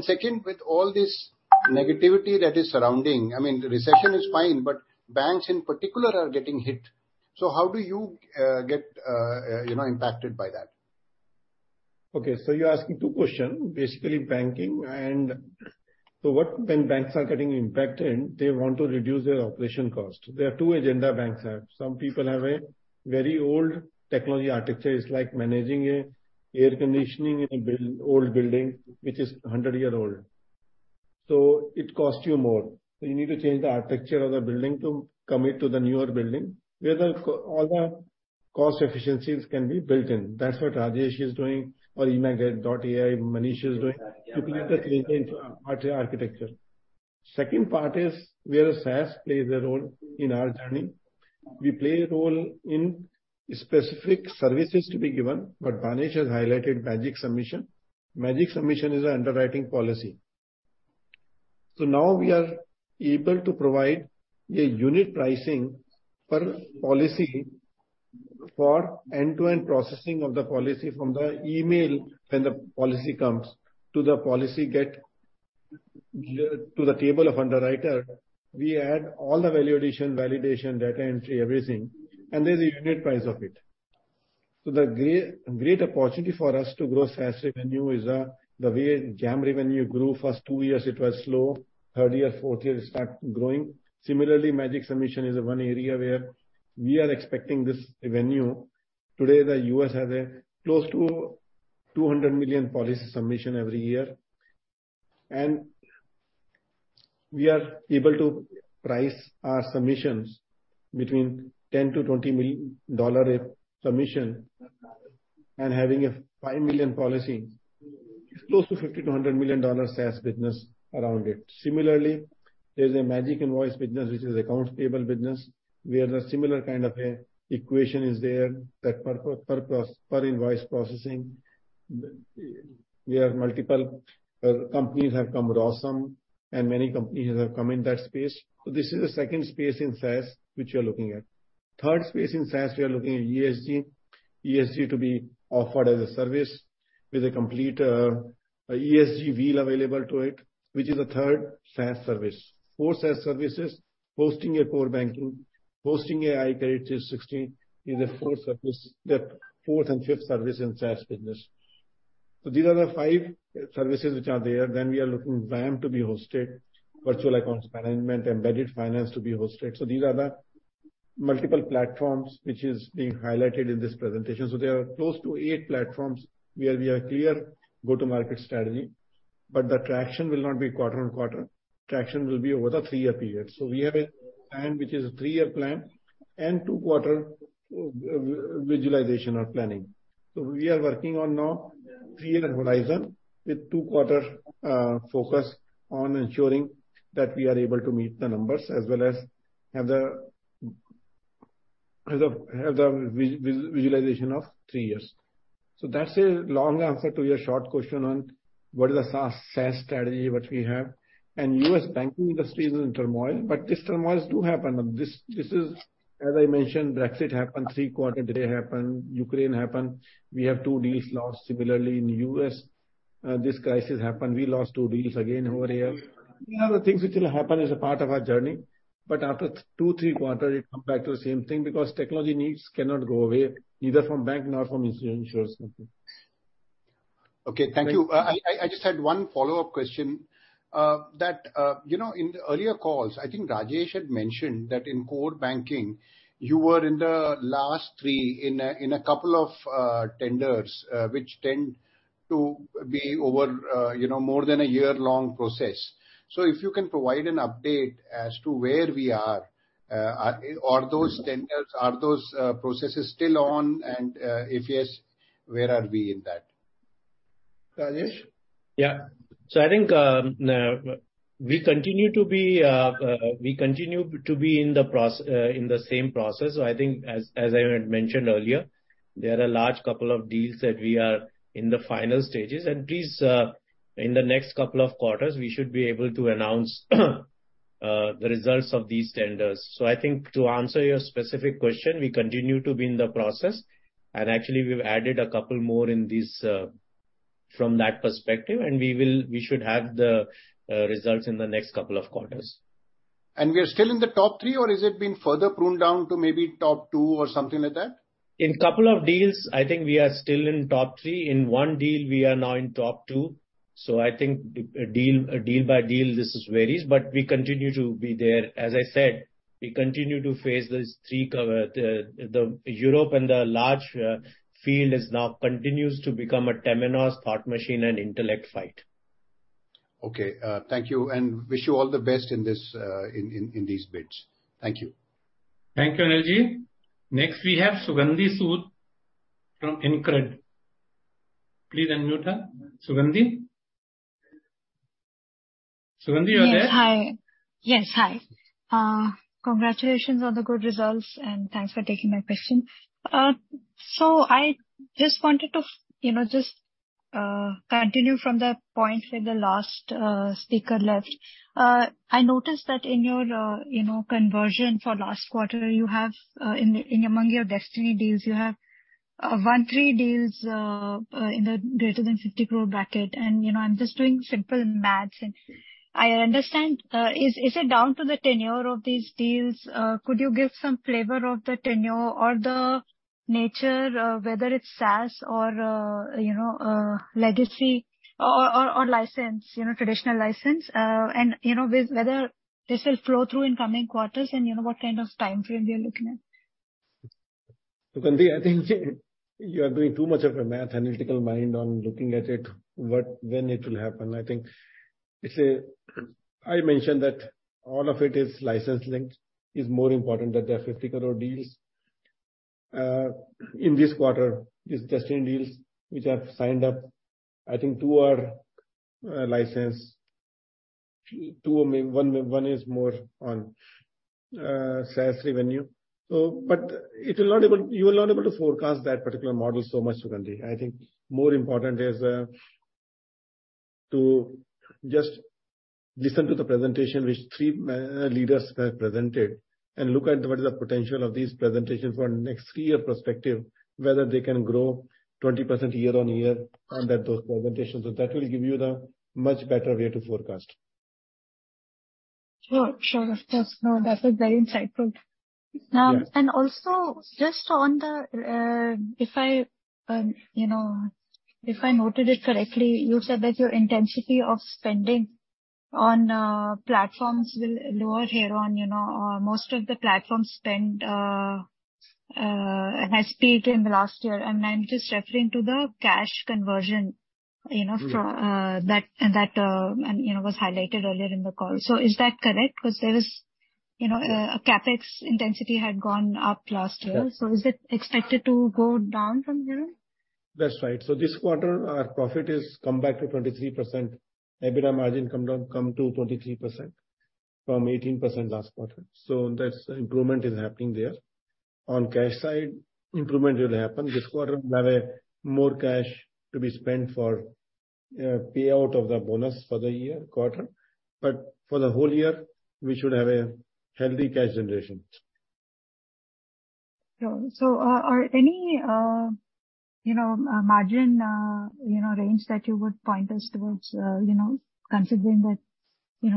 Second, with all this negativity that is surrounding, I mean, recession is fine, but banks in particular are getting hit. How do you get, you know, impacted by that? Okay, you're asking two question, basically banking and so what when banks are getting impacted, they want to reduce their operation cost. There are two agenda banks have. Some people have a very old technology architecture. It's like managing a air conditioning in a old building which is a 100 year old. It costs you more. You need to change the architecture of the building to commit to the newer building, where all the cost efficiencies can be built in. That's what Rajesh is doing or IntellectAI Manish is doing. Exactly, yeah. To build that into architecture. Second part is where the SaaS plays a role in our journey. We play a role in specific services to be given, but Manish has highlighted Magic Submission. Magic Submission is a underwriting policy. Now we are able to provide a unit pricing per policy for end-to-end processing of the policy from the email when the policy comes, to the policy get to the table of underwriter, we add all the validation, data entry, everything, and there's a unit price of it. The great opportunity for us to grow SaaS revenue is the way Jam revenue grew. First two years it was slow. Third year, fourth year it start growing. Similarly, Magic Submission is the one area where we are expecting this revenue. Today, the U.S. has a close to 200 million policy submission every year. We are able to price our submissions between $10 million-$20 million a submission and having a 5 million policy. It's close to a $50 million-$100 million SaaS business around it. Similarly, there's a Magic Invoice business which is accounts payable business, where the similar kind of equation is there that per process, per invoice processing. Where multiple companies have come with Awesome and many companies have come in that space. This is the second space in SaaS which we are looking at. Third space in SaaS, we are looking at ESG. ESG to be offered as a service with a complete ESG wheel available to it, which is a third SaaS service. Fourth SaaS service is hosting a core banking. Hosting iKredit 360 is a fourth service. The fourth and fifth service in SaaS business. These are the five services which are there. We are looking VAM to be hosted. Virtual Accounts Management, Embedded Finance to be hosted. These are the multiple platforms which is being highlighted in this presentation. There are close to eight platforms where we are clear go-to-market strategy, but the traction will not be quarter-on-quarter. Traction will be over the 3-year period. We have a plan which is a 3-year plan and 2 quarter visualization or planning. We are working on now 3-year horizon with 2 quarter focus on ensuring that we are able to meet the numbers as well as have the visualization of 3 years. That's a long answer to your short question on what is the SaaS strategy, what we have. U.S. banking industry is in turmoil, but these turmoils do happen. This is, as I mentioned, Brexit happened, 3 quarter they happen, Ukraine happened. We have two deals lost similarly in the U.S. This crisis happened, we lost 2 deals again over here. These are the things which will happen as a part of our journey, but after 2, 3 quarter, it come back to the same thing because technology needs cannot go away, either from bank nor from insurance company. Okay, thank you. Thank you. I just had one follow-up question. That, you know, in the earlier calls, I think Rajesh had mentioned that in core banking, you were in the last three in a couple of tenders, which tend to be over, you know, more than a year-long process. If you can provide an update as to where we are those tenders, are those processes still on? If yes, where are we in that? Rajesh? Yeah. I think we continue to be in the same process. I think as I had mentioned earlier, there are a large couple of deals that we are in the final stages. Please, in the next couple of quarters, we should be able to announce the results of these tenders. I think to answer your specific question, we continue to be in the process, and actually we've added a couple more in these from that perspective. We should have the results in the next couple of quarters. We are still in the top three, or has it been further pruned down to maybe top two or something like that? In couple of deals, I think we are still in top three. In one deal, we are now in top two. I think deal by deal, this is varies, but we continue to be there. As I said, we continue to face these three the Europe and the large field is now continues to become a Temenos, Thought Machine and Intellect fight. Thank you, and wish you all the best in this, in these bids. Thank you. Thank you, Anilji. We have Sugandhi Sud from InCred. Please unmute her. Sugandhi? Sugandhi, you're there? Yes. Hi. Yes. Hi. Uh, congratulations on the good results, and thanks for taking my question. Uh, so I just wanted to f- you know, just, uh, continue from the point where the last, uh, speaker left. Uh, I noticed that in your, uh, you know, conversion for last quarter, you have, uh, in the, in among your destiny deals, you have-Uh, one three deals, uh, uh, in the greater than fifty crore bracket. And, you know, I'm just doing simple maths and I understand, uh... Is, is it down to the tenure of these deals? Uh, could you give some flavor of the tenure or the nature of whether it's SaaS or, uh, you know, uh, legacy or, or, or license, you know, traditional license? Uh, and, you know, whe-whether this will flow through in coming quarters, and, you know, what kind of timeframe we are looking at. Sugandhi I think you are doing too much of a mathematical mind on looking at it, when it will happen. I think I mentioned that all of it is license linked. It's more important that they're 50 crore deals. In this quarter, these testing deals which have signed up, I think two are licensed, two are main, one is more on SaaS revenue. You are not able to forecast that particular model so much, Sugandi. I think more important is to just listen to the presentation which three leaders have presented and look at what is the potential of these presentations for next three-year perspective, whether they can grow 20% year-on-year on that, those presentations. That will give you the much better way to forecast. Sure. No, that was very insightful. Yeah. Also just on the, if I, you know, if I noted it correctly, you said that your intensity of spending on platforms will lower here on, you know, most of the platform spend has peaked in the last year. I'm just referring to the cash conversion, you know. Mm-hmm. -from, that, and that, and, you know, was highlighted earlier in the call. Is that correct? 'Cause there is, you know, a CapEx intensity had gone up last year. Yeah. Is it expected to go down from here? That's right. This quarter our profit is come back to 23%. EBITDA margin come to 18% last quarter. That's improvement is happening there. On cash side, improvement will happen. This quarter we have a more cash to be spent for payout of the bonus for the year quarter. For the whole year we should have a healthy cash generation. Sure, are any, you know, margin, you know, range that you would point us towards, you know, considering that, you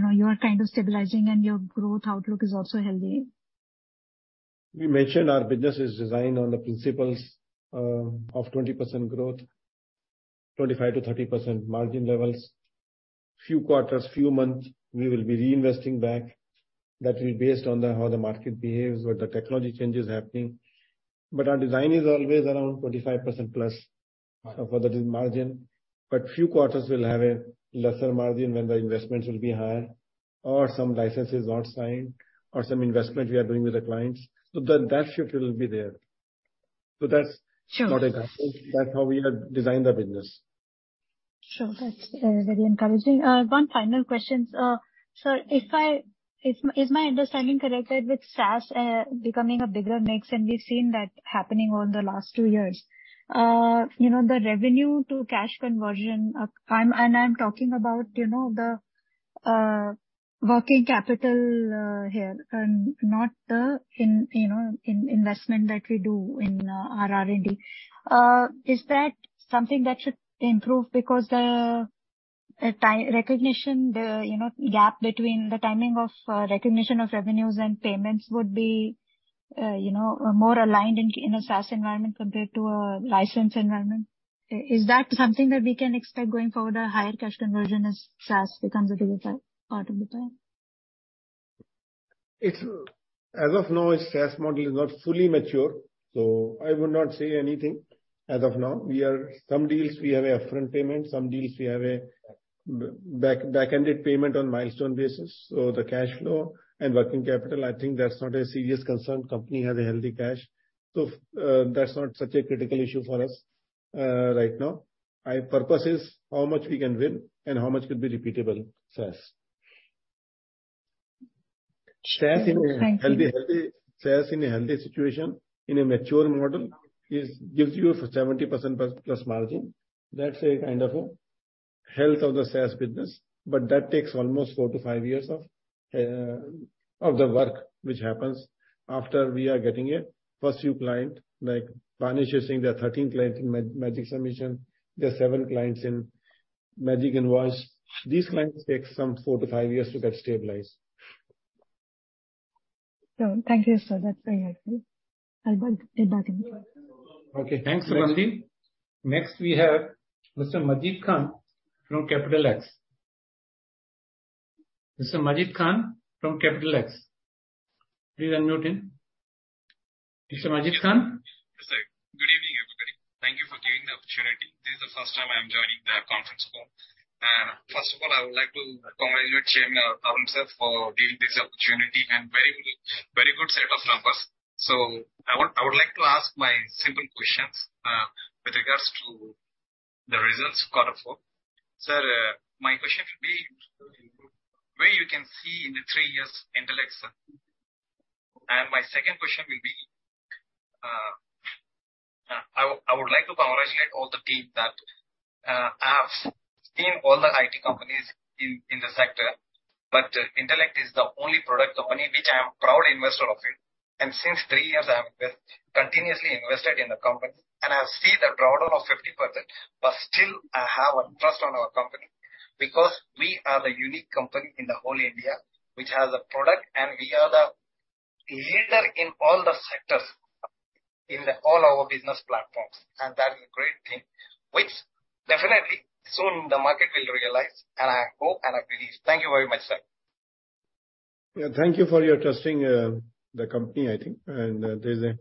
know, you are kind of stabilizing and your growth outlook is also healthy? We mentioned our business is designed on the principles of 20% growth, 25%-30% margin levels. Few quarters, few months we will be reinvesting back. That will be based on the, how the market behaves, what the technology change is happening. Our design is always around 25% plus for the margin. Few quarters will have a lesser margin when the investments will be higher or some license is not signed or some investment we are doing with the clients. That shift will be there. Sure. not a gap. That's how we have designed the business. Sure. That's very encouraging. One final question. Sir, is my understanding correct that with SaaS becoming a bigger mix, and we've seen that happening over the last two years, you know, the revenue to cash conversion, I'm talking about, you know, the working capital here and not the in, you know, in-investment that we do in our R&D. Is that something that should improve? Because the recognition, the, you know, gap between the timing of recognition of revenues and payments would be, you know, more aligned in a SaaS environment compared to a license environment. Is that something that we can expect going forward, a higher cash conversion as SaaS becomes a bigger part of the pie? As of now, a SaaS model is not fully mature, I would not say anything as of now. Some deals we have a upfront payment, some deals we have a back-ended payment on milestone basis. The cash flow and working capital, I think that's not a serious concern. Company has a healthy cash, that's not such a critical issue for us, right now. Our purpose is how much we can win and how much could be repeatable SaaS. Thank you. SaaS in a healthy situation, in a mature model, gives you 70% plus margin. That's a kind of a health of the SaaS business. That takes almost four to five years of the work which happens after we are getting a first few client. Like Bhanu is using the 13 client in Magic Submission. There are seven clients in Magic Invoice. These clients take some four to five years to get stabilized. Sure. Thank you, sir. That's very helpful. I will take that into account. Thanks, Sugandhi. Next we have Mr. Majid Khan from JM Financial. Mr. Majid Khan from JM Financial, please unmute him. Mr. Majid Khan? Yes, sir. Good evening, everybody. Thank you for giving the opportunity. This is the first time I am joining the conference call. First of all, I would like to congratulate Arun Jain, for giving this opportunity and very good, very good set of numbers. I would like to ask my simple questions with regards to the results quarter four. Sir, my question will be where you can see in the 3 years Intellect set? My second question will be, I would like to congratulate all the team that- I have seen all the IT companies in the sector. Intellect is the only product company which I am a proud investor of it. Since 3 years, I have been continuously invested in the company. I have seen the drawdown of 50%. Still, I have a trust on our company because we are the unique company in the whole India which has a product. We are the leader in all the sectors, in the all our business platforms. That is a great thing which definitely soon the market will realize. I hope and I believe. Thank you very much, sir. Yeah. Thank you for your trusting the company, I think. There's a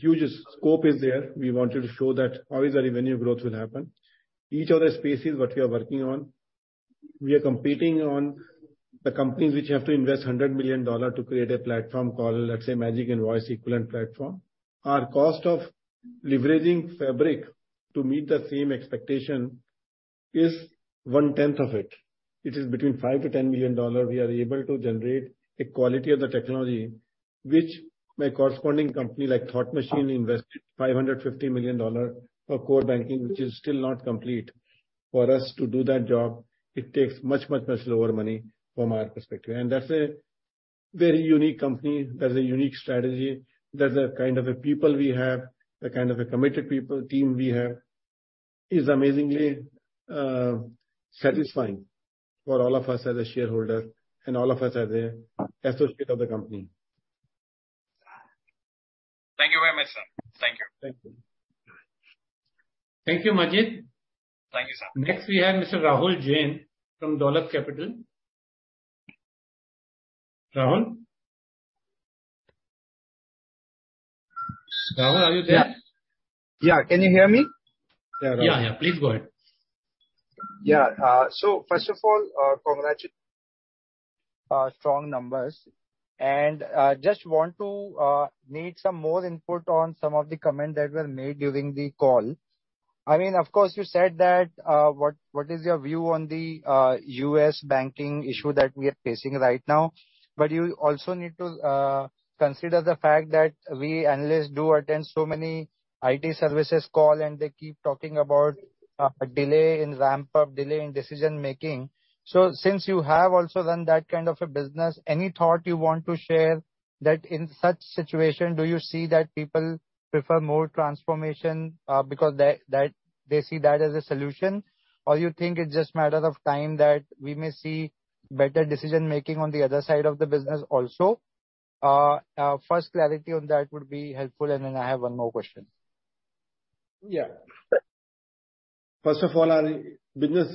huge scope is there. We wanted to show that how is our revenue growth will happen. Each of the spaces what we are working on, we are competing on the companies which have to invest $100 million to create a platform called, let's say, Magic Invoice equivalent platform. Our cost of leveraging Fabric to meet the same expectation is one tenth of it. It is between $5 million-$10 million we are able to generate a quality of the technology which my corresponding company like Thought Machine invested $550 million for core banking, which is still not complete. For us to do that job, it takes much, much, much lower money from our perspective. That's a very unique company. That's a unique strategy. That's the kind of a people we have. The kind of a committed people, team we have is amazingly satisfying for all of us as a shareholder and all of us as a associate of the company. Thank you very much, sir. Thank you. Thank you. Thank you, Majid. Thank you, sir. Next we have Mr. Rahul Jain from Dolat Capital. Rahul? Rahul, are you there? Yeah. Can you hear me? Yeah, Rahul. Yeah, yeah. Please go ahead. Yeah. So first of all, strong numbers. Just want to need some more input on some of the comments that were made during the call. I mean, of course, you said that, what is your view on the U.S. banking issue that we are facing right now. You also need to consider the fact that we analysts do attend so many I.T. services call and they keep talking about delay in ramp-up, delay in decision making. Since you have also done that kind of a business, any thought you want to share that in such situation, do you see that people prefer more transformation because they see that as a solution? You think it's just matter of time that we may see better decision making on the other side of the business also? First clarity on that would be helpful. Then I have one more question. First of all, our business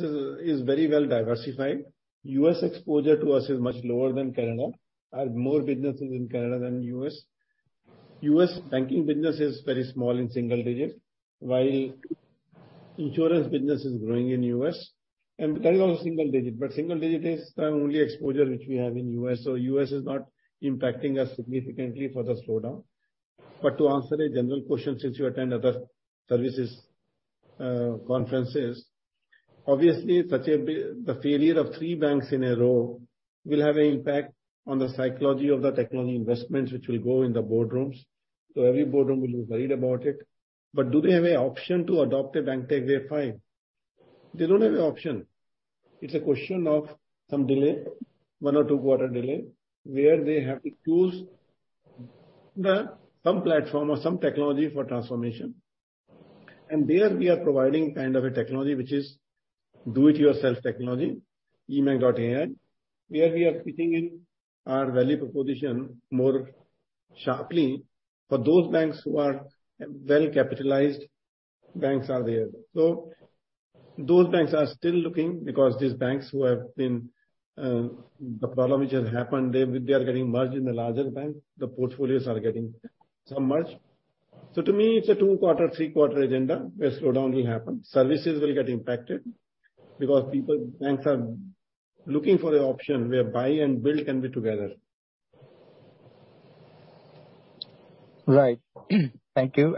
is very well diversified. U.S. exposure to us is much lower than Canada. I have more businesses in Canada than U.S. U.S. banking business is very small, in single digits, while insurance business is growing in U.S. That is also single digit, but single digit is the only exposure which we have in U.S. U.S. is not impacting us significantly for the slowdown. To answer a general question, since you attend other services, conferences, obviously such a big... the failure of 3 banks in a row will have an impact on the psychology of the technology investments which will go in the boardrooms. Every boardroom will be worried about it. Do they have an option to adopt a bank tech right away? They don't have an option. It's a question of some delay, one or two quarter delay, where they have to choose some platform or some technology for transformation. There we are providing kind of a technology which is do it yourself technology, eMACH.ai, where we are sitting in our value proposition more sharply. For those banks who are well-capitalized banks are there. Those banks are still looking because these banks who have been the problem which has happened, they are getting merged in the larger bank. The portfolios are getting submerged. To me it's a two quarter, three-quarter agenda where slowdown will happen. Services will get impacted because banks are looking for a option where buy and build can be together. Right. Thank you.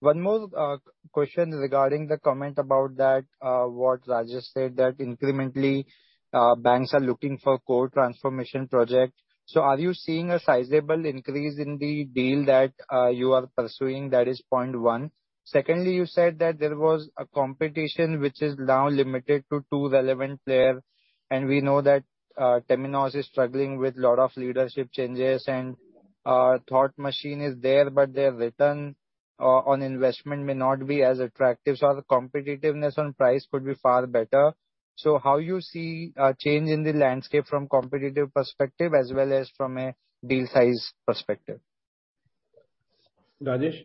One more question regarding the comment about what Rajesh said, that incrementally, banks are looking for core transformation project. Are you seeing a sizable increase in the deal that you are pursuing? That is point one. Secondly, you said that there was a competition which is now limited to two relevant player, and we know that Temenos is struggling with lot of leadership changes. Thought Machine is there, but their return on investment may not be as attractive. The competitiveness on price could be far better. How you see a change in the landscape from competitive perspective as well as from a deal size perspective? Rajesh?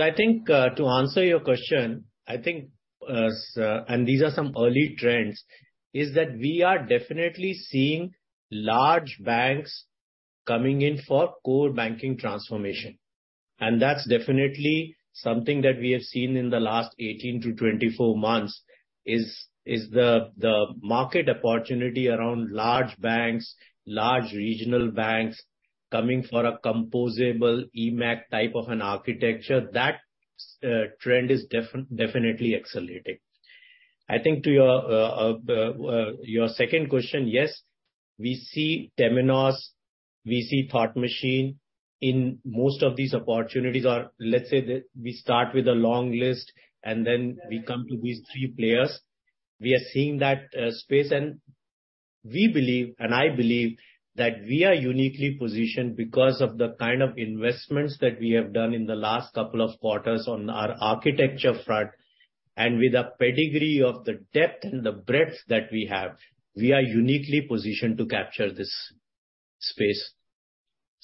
I think, to answer your question, I think, and these are some early trends, is that we are definitely seeing large banks coming in for core banking transformation. That's definitely something that we have seen in the last 18 to 24 months is the market opportunity around large banks, large regional banks coming for a composable eMACH.ai type of an architecture. That trend is definitely accelerating. I think to your second question, yes, we see Temenos. We see Thought Machine in most of these opportunities are, let's say that we start with a long list and then we come to these three players. We are seeing that space and we believe and I believe that we are uniquely positioned because of the kind of investments that we have done in the last couple of quarters on our architecture front and with the pedigree of the depth and the breadth that we have, we are uniquely positioned to capture this space.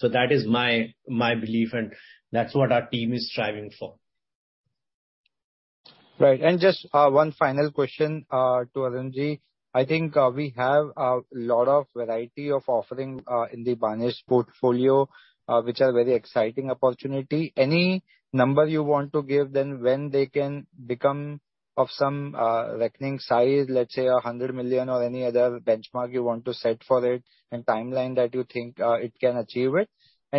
That is my belief and that's what our team is striving for. Right. Just one final question to Arun Jain. I think we have lot of variety of offering in the Banesh's portfolio, which are very exciting opportunity. Any number you want to give then when they can become of some reckoning size, let's say 100 million or any other benchmark you want to set for it and timeline that you think it can achieve it.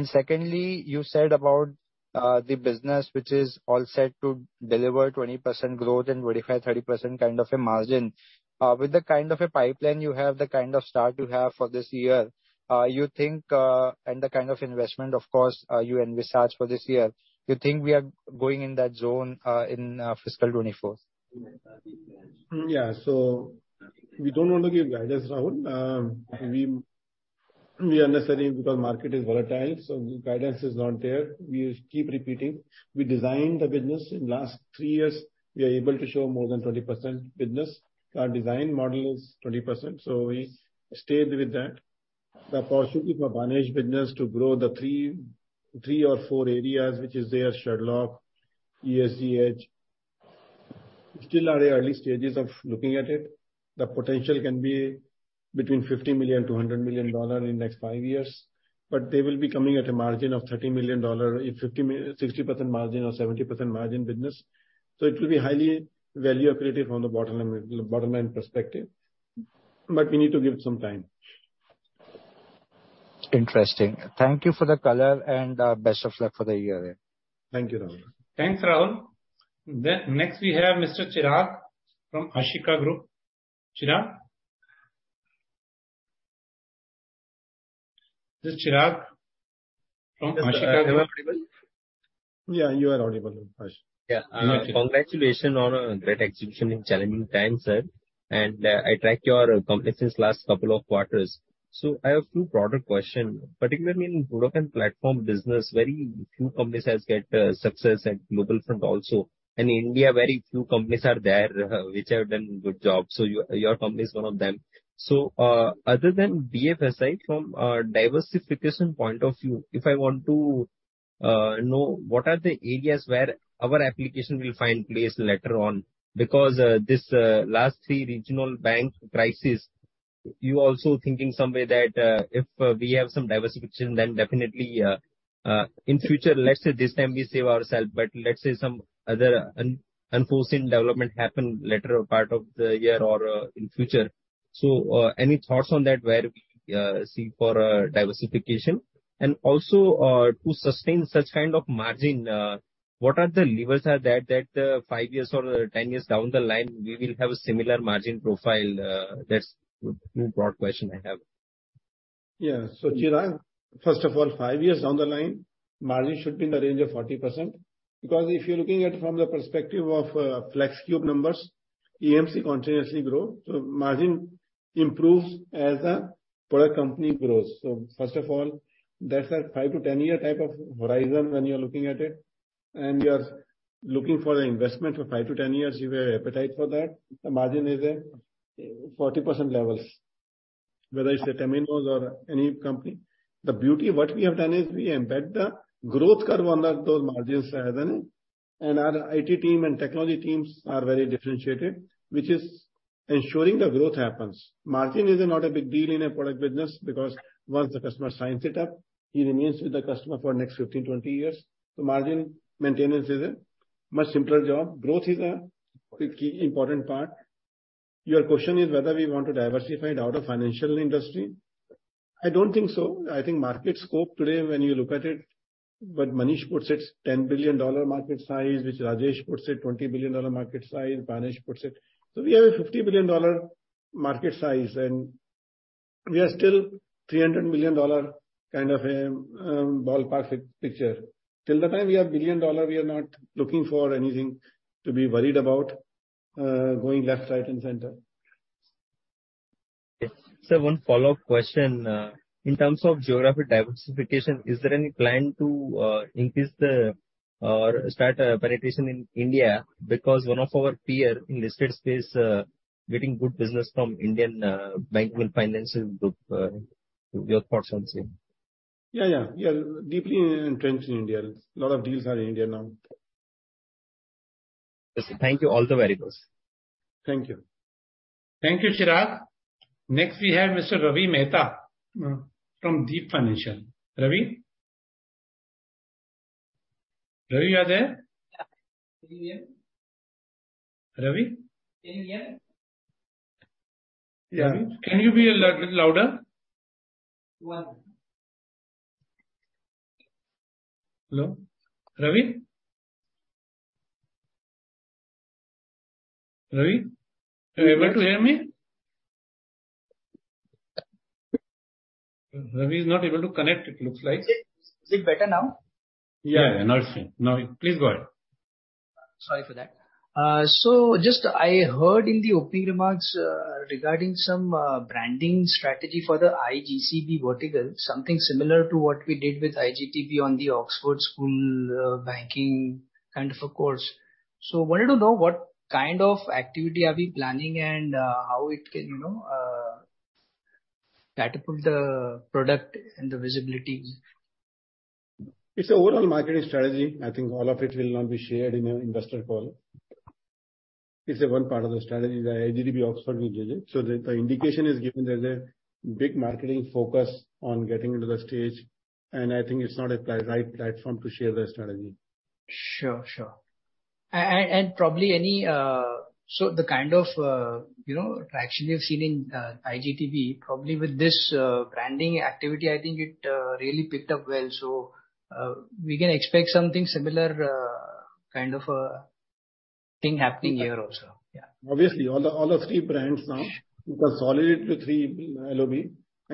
Secondly, you said about the business which is all set to deliver 20% growth and verify 30% kind of a margin. With the kind of a pipeline you have, the kind of start you have for this year, you think the kind of investment of course, you envisage for this year, you think we are going in that zone in fiscal 2024? Yeah. We don't want to give guidance, Rahul. We are not studying because market is volatile, so guidance is not there. We keep repeating. We designed the business in last 3 years. We are able to show more than 20% business. Our design model is 20%, so we stayed with that. The opportunity for Banesh business to grow the 3 or 4 areas which is there, Sherlock, ESG, still are early stages of looking at it. The potential can be between $50 million-$200 million in next 5 years. They will be coming at a margin of $30 million, if 60% margin or 70% margin business. It will be highly value accretive from the bottom line perspective. We need to give it some time. Interesting. Thank you for the color and best of luck for the year ahead. Thank you, Rahul. Thanks, Rahul. Next we have Mr. Chirag from Ashika Group. Chirag? Mr. Chirag from Ashika Group. Am I audible? Yeah, you are audible. Chirag. Yeah. Okay. Congratulations on a great execution in challenging times, sir. I track your company since last couple of quarters. I have two broader question, particularly in product and platform business, very few companies has get success at global front also. In India, very few companies are there which have done good job. Your company is one of them. Other than BFSI from diversification point of view, if I want to know what are the areas where our application will find place later on. This last three regional bank crisis, you also think in some way that if we have some diversification then definitely in future let's say this time we save ourself, but let's say some other unforeseen development happen later part of the year or in future. Any thoughts on that where we see for diversification. To sustain such kind of margin, what are the levers are there that, 5 years or 10 years down the line we will have a similar margin profile? That's 2 broad question I have. Chirag, first of all, 5 years down the line, margin should be in the range of 40%. If you're looking at it from the perspective of Flexcube numbers, EMC continuously grow. Margin improves as a product company grows. First of all, that's a 5-10 year type of horizon when you're looking at it and you are looking for an investment for 5-10 years, you have appetite for that. The margin is at 40% levels. Whether it's the Temenos or any company. The beauty, what we have done is we embed the growth curve under those margins as in. Our IT team and technology teams are very differentiated, which is ensuring the growth happens. Margin is not a big deal in a product business because once the customer signs it up, he remains with the customer for next 15, 20 years. The margin maintenance is a much simpler job. Growth is a pretty important part. Your question is whether we want to diversify it out of financial industry. I don't think so. I think market scope today when you look at it, what Manish puts it, $10 billion market size. Rajesh puts it, $20 billion market size. Banesh puts it. We have a $50 billion market size and we are still $300 million kind of a ballpark picture. Till the time we are $1 billion we are not looking for anything to be worried about, going left, right and center. Yes. Sir, one follow-up question. In terms of geographic diversification, is there any plan to increase the or start penetration in India? Because one of our peer in listed space, getting good business from Indian bank and financial group. Your thoughts on same. Yeah. We are deeply entrenched in India. Lot of deals are in India now. Thank you. All the very best. Thank you. Thank you, Chirag. Next we have Mr. Ravi Mehta from Deep Financials. Ravi? Ravi, you are there? Yeah. Can you hear? Ravi? Can you hear? Yeah. Can you be a little louder? One. Hello? Ravi? Ravi, are you able to hear me? Ravi is not able to connect, it looks like. Is it better now? Yeah. Now it's fine. Please go ahead. Sorry for that. Just I heard in the opening remarks, regarding some branding strategy for the iGCB vertical, something similar to what we did with iGTB on the Oxford School, banking kind of a course. Wanted to know what kind of activity are we planning and how it can, you know, catapult the product and the visibility. It's a overall marketing strategy. I think all of it will not be shared in an investor call. It's one part of the strategy, the iGTB Oxford we did it. The indication is given there's a big marketing focus on getting into the stage, I think it's not a right platform to share the strategy. Sure. Sure. The kind of, you know, traction we have seen in iGTB, probably with this branding activity, I think it really picked up well. We can expect something similar kind of a thing happening here also? Yeah. Obviously, all the three brands now, we consolidated to three LOB.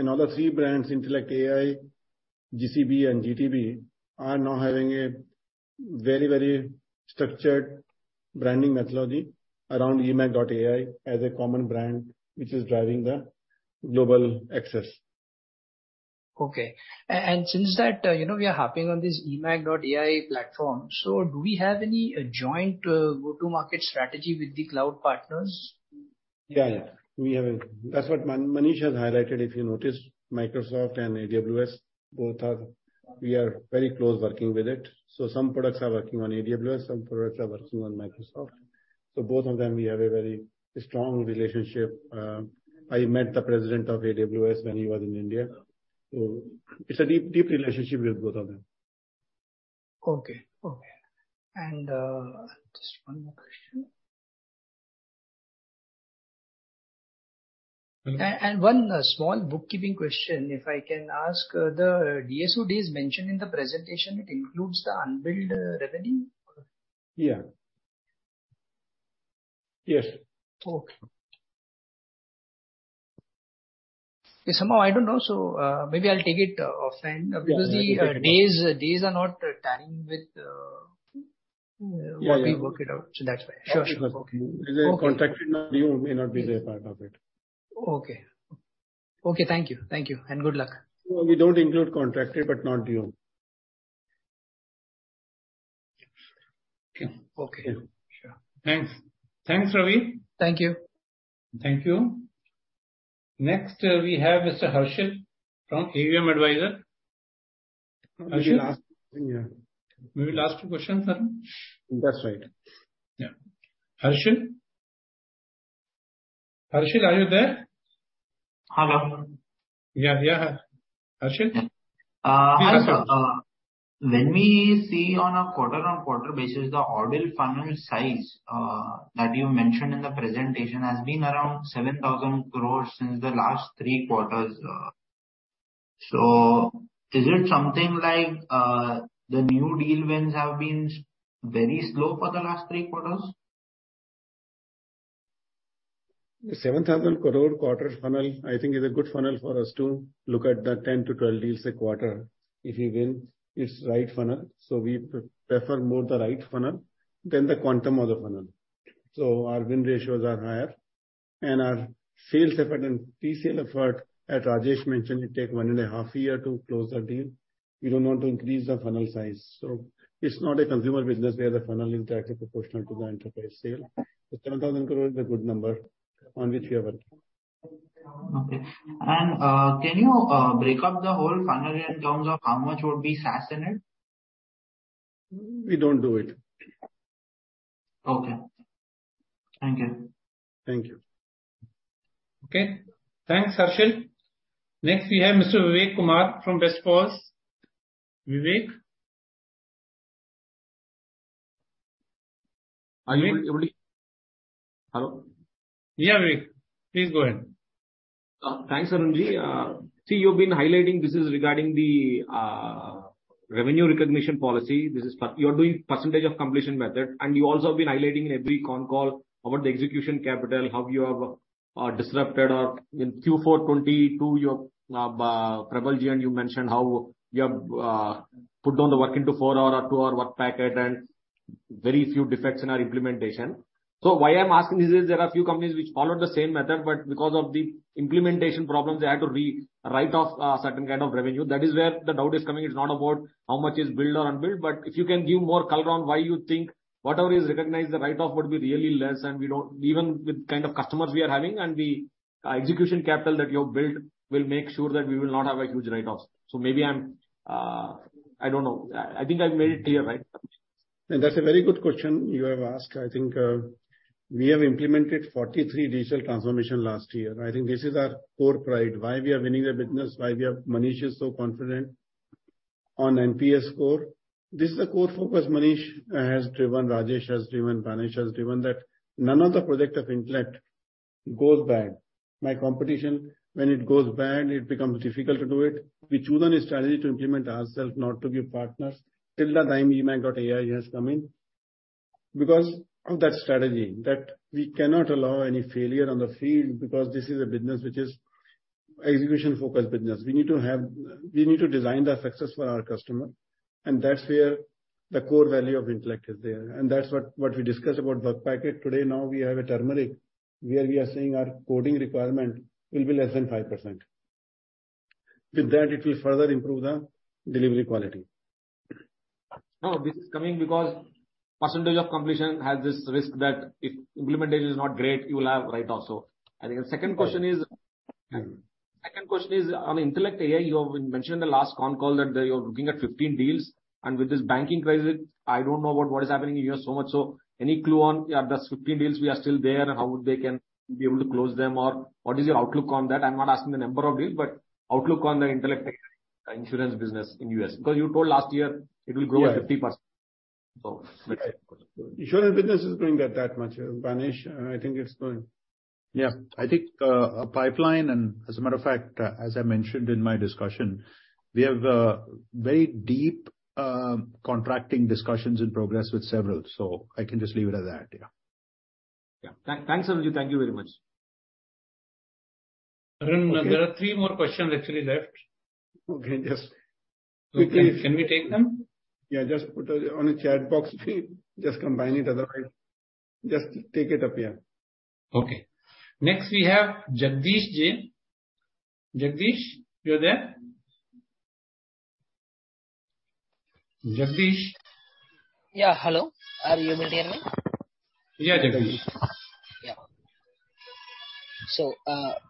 All the three brands, Intellect AI, iGCB and iGTB, are now having a very, very structured branding methodology around eMACH.ai as a common brand which is driving the global access. Okay. And since that, you know, we are harping on this eMACH.ai platform, do we have any joint go-to-market strategy with the cloud partners? Yeah, yeah. We have a... That's what Manish has highlighted, if you noticed. Microsoft and AWS both are... We are very close working with it. Some products are working on AWS, some products are working on Microsoft. Both of them we have a very strong relationship. I met the president of AWS when he was in India. It's a deep relationship with both of them. Okay. Okay. Just one more question. Mm-hmm. One, small bookkeeping question, if I can ask. The DSOs mentioned in the presentation, it includes the unbilled revenue? Yeah. Yes, sir. Okay. Somehow I don't know, so, maybe I'll take it offline. Yeah. The days are not tying with. Yeah, yeah. what we worked it out. That's why. Sure, sure. Sure, sure. Okay. Okay. There's a contracted and a bill may not be the part of it. Okay. Okay. Thank you. Thank you. Good luck. We don't include contracted, but not bill. Okay. Sure. Thanks. Thanks, Ravi. Thank you. Thank you. Next, we have Mr. Harshal from AUM Advisors. Harshal? Maybe last. Yeah. Maybe last two questions, Arun. That's right. Yeah. Harshal? Harshal, are you there? Hello. Yeah. Yeah, Harshal. Hi, sir. When we see on a quarter-on-quarter basis, the order funnel size, that you mentioned in the presentation has been around 7,000 crores since the last three quarters. Is it something like, the new deal wins have been very slow for the last three quarters? The 7,000 crore quarter funnel I think is a good funnel for us to look at the 10-12 deals a quarter if we win. It's right funnel. We prefer more the right funnel than the quantum of the funnel. Our win ratios are higher. Our sales effort and pre-sale effort, as Rajesh mentioned, it take one and a half year to close the deal. We don't want to increase the funnel size. It's not a consumer business where the funnel is directly proportional to the enterprise sale. 7,000 crore is a good number on which we are working. Okay. Can you break up the whole funnel in terms of how much would be SaaS in it? We don't do it. Okay. Thank you. Thank you. Okay. Thanks, Harshal. Next we have Mr. Vivek Kumar from Bestpals. Vivek? Are you able to- Hello? Yeah,. Please go ahead. Thanks, Arun Jain. See, you've been highlighting this is regarding the revenue recognition policy. This is you are doing percentage of completion method. You also have been highlighting in every con call about the execution capital, how you have disrupted or in Q4 2022, you have Prabal Ji and you mentioned how you have put down the work into 4 hour or 2 hour work packet and very few defects in our implementation. Why I'm asking this is there are a few companies which followed the same method, but because of the implementation problems, they had to re-write off certain kind of revenue. That is where the doubt is coming. It's not about how much is billed or unbilled, but if you can give more color on why you think whatever is recognized, the write-off would be really less and we don't... Even with kind of customers we are having and the execution capital that you have built will make sure that we will not have a huge write-offs. maybe I'm... I don't know. I think I've made it clear, right? That's a very good question you have asked. I think, we have implemented 43 digital transformation last year. I think this is our core pride, why we are winning the business, why we are. Manish is so confident on NPS score. This is the core focus Manish has driven, Rajesh has driven, Manish has driven, that none of the project of Intellect goes bad. My competition, when it goes bad, it becomes difficult to do it. We chosen a strategy to implement ourselves, not to give partners, till the time eMACH.ai has come in. Because of that strategy that we cannot allow any failure on the field because this is a business which is execution-focused business. We need to have, we need to design the success for our customer, and that's where the core value of Intellect is there. That's what we discussed about work packet today. Now we have an iTurmeric, where we are saying our coding requirement will be less than 5%. With that it will further improve the delivery quality. No, this is coming because percentage of completion has this risk that if implementation is not great you will have write-off, so. Second question is on Intellect AI. You have mentioned in the last con call that you are looking at 15 deals. With this banking crisis, I don't know about what is happening in U.S. so much. Any clue on that? 15 deals we are still there, how they can be able to close them or what is your outlook on that? I'm not asking the number of deals, but outlook on the Intellect AI insurance business in US. You told last year it will grow at 50%. Insurance business is growing at that much, Banesh. I think it's growing. Yeah. I think, pipeline and as a matter of fact, as I mentioned in my discussion, we have, very deep, contracting discussions in progress with several. I can just leave it at that. Yeah. Yeah. Thanks, Sanjeev. Thank you very much. Arun, there are three more questions actually left. Just quickly. Can we take them? Just put on the chat box please. Just combine it otherwise. Just take it up, yeah. Next we have Jagdish Jain. Jagdish, you're there? Jagdish? Yeah. Hello, are you able to hear me? Yeah, Jagdish.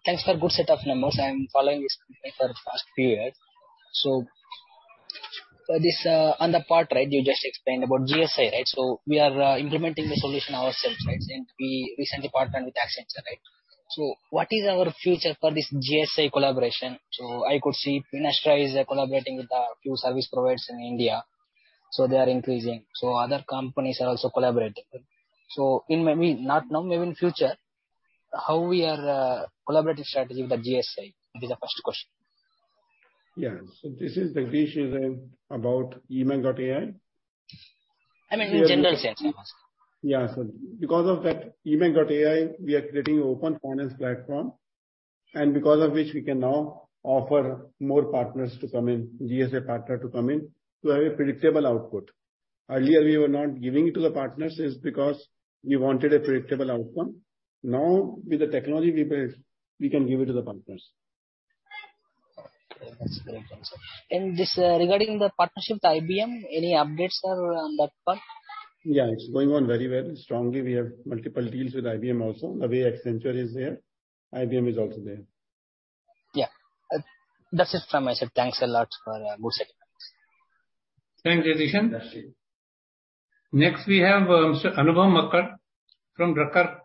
Thanks for good set of numbers. I am following this company for the past few years. For this on the part, right, you just explained about GSA, right? We are implementing the solution ourselves, right? Since we recently partnered with Accenture, right? What is our future for this GSA collaboration? I could see Finastra is collaborating with a few service providers in India, so they are increasing. Other companies are also collaborating. In maybe, not now, maybe in future, how we are collaborating strategy with the GSA? This is the first question. Yeah. This is Jagdish is asking about eMACH.ai? I mean in general sense. Yeah. Because of that eMACH.ai we are creating Open Finance platform, and because of which we can now offer more partners to come in, GSA partner to come in, to have a predictable output. Earlier we were not giving it to the partners is because we wanted a predictable outcome. Now, with the technology we built, we can give it to the partners. That's a great answer. Just regarding the partnership with IBM, any updates, sir, on that part? Yeah. It's going on very, very strongly. We have multiple deals with IBM also. The way Accenture is there, IBM is also there. Yeah. That's it from my side. Thanks a lot for good set of answers. Thanks, Jagdish. We have sir Anubhav Makar from Karma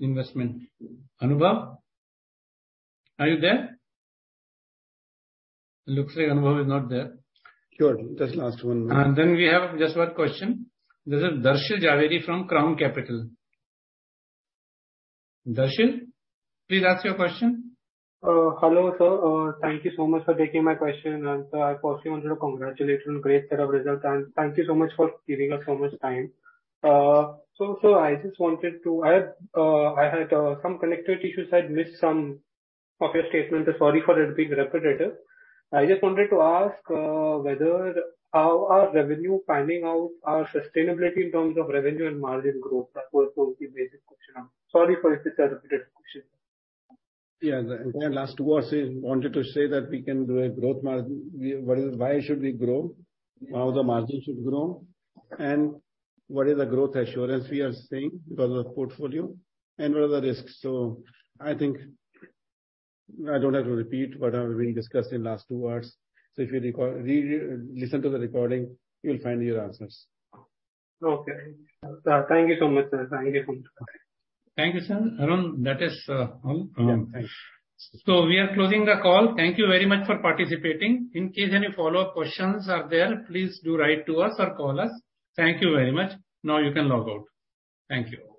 Capital. Anubhav, are you there? Looks like Anubhav is not there. Sure. Just last one more. Then we have just one question. This is Darshil Jhaveri from Crown Capital. Darshil, please ask your question. Hello sir. Thank you so much for taking my question. I personally wanted to congratulate you on great set of results, and thank you so much for giving us so much time. I had some connectivity issues, I had missed some of your statement. Sorry for it being repetitive. I just wanted to ask whether how are revenue panning out our sustainability in terms of revenue and margin growth basic question. Sorry for it being a repetitive question. Yeah. The entire last two hours is, wanted to say that we can do a growth margin. Why should we grow? How the margin should grow? What is the growth assurance we are seeing because of portfolio, and what are the risks? I think I don't have to repeat what have we discussed in last two hours. If you record, read, listen to the recording, you'll find your answers. Okay. Sir, thank you so much, sir. Thank you. Thank you, sir. Arun, that is all. Yeah. Thanks. We are closing the call. Thank you very much for participating. In case any follow-up questions are there, please do write to us or call us. Thank you very much. Now you can log out. Thank you.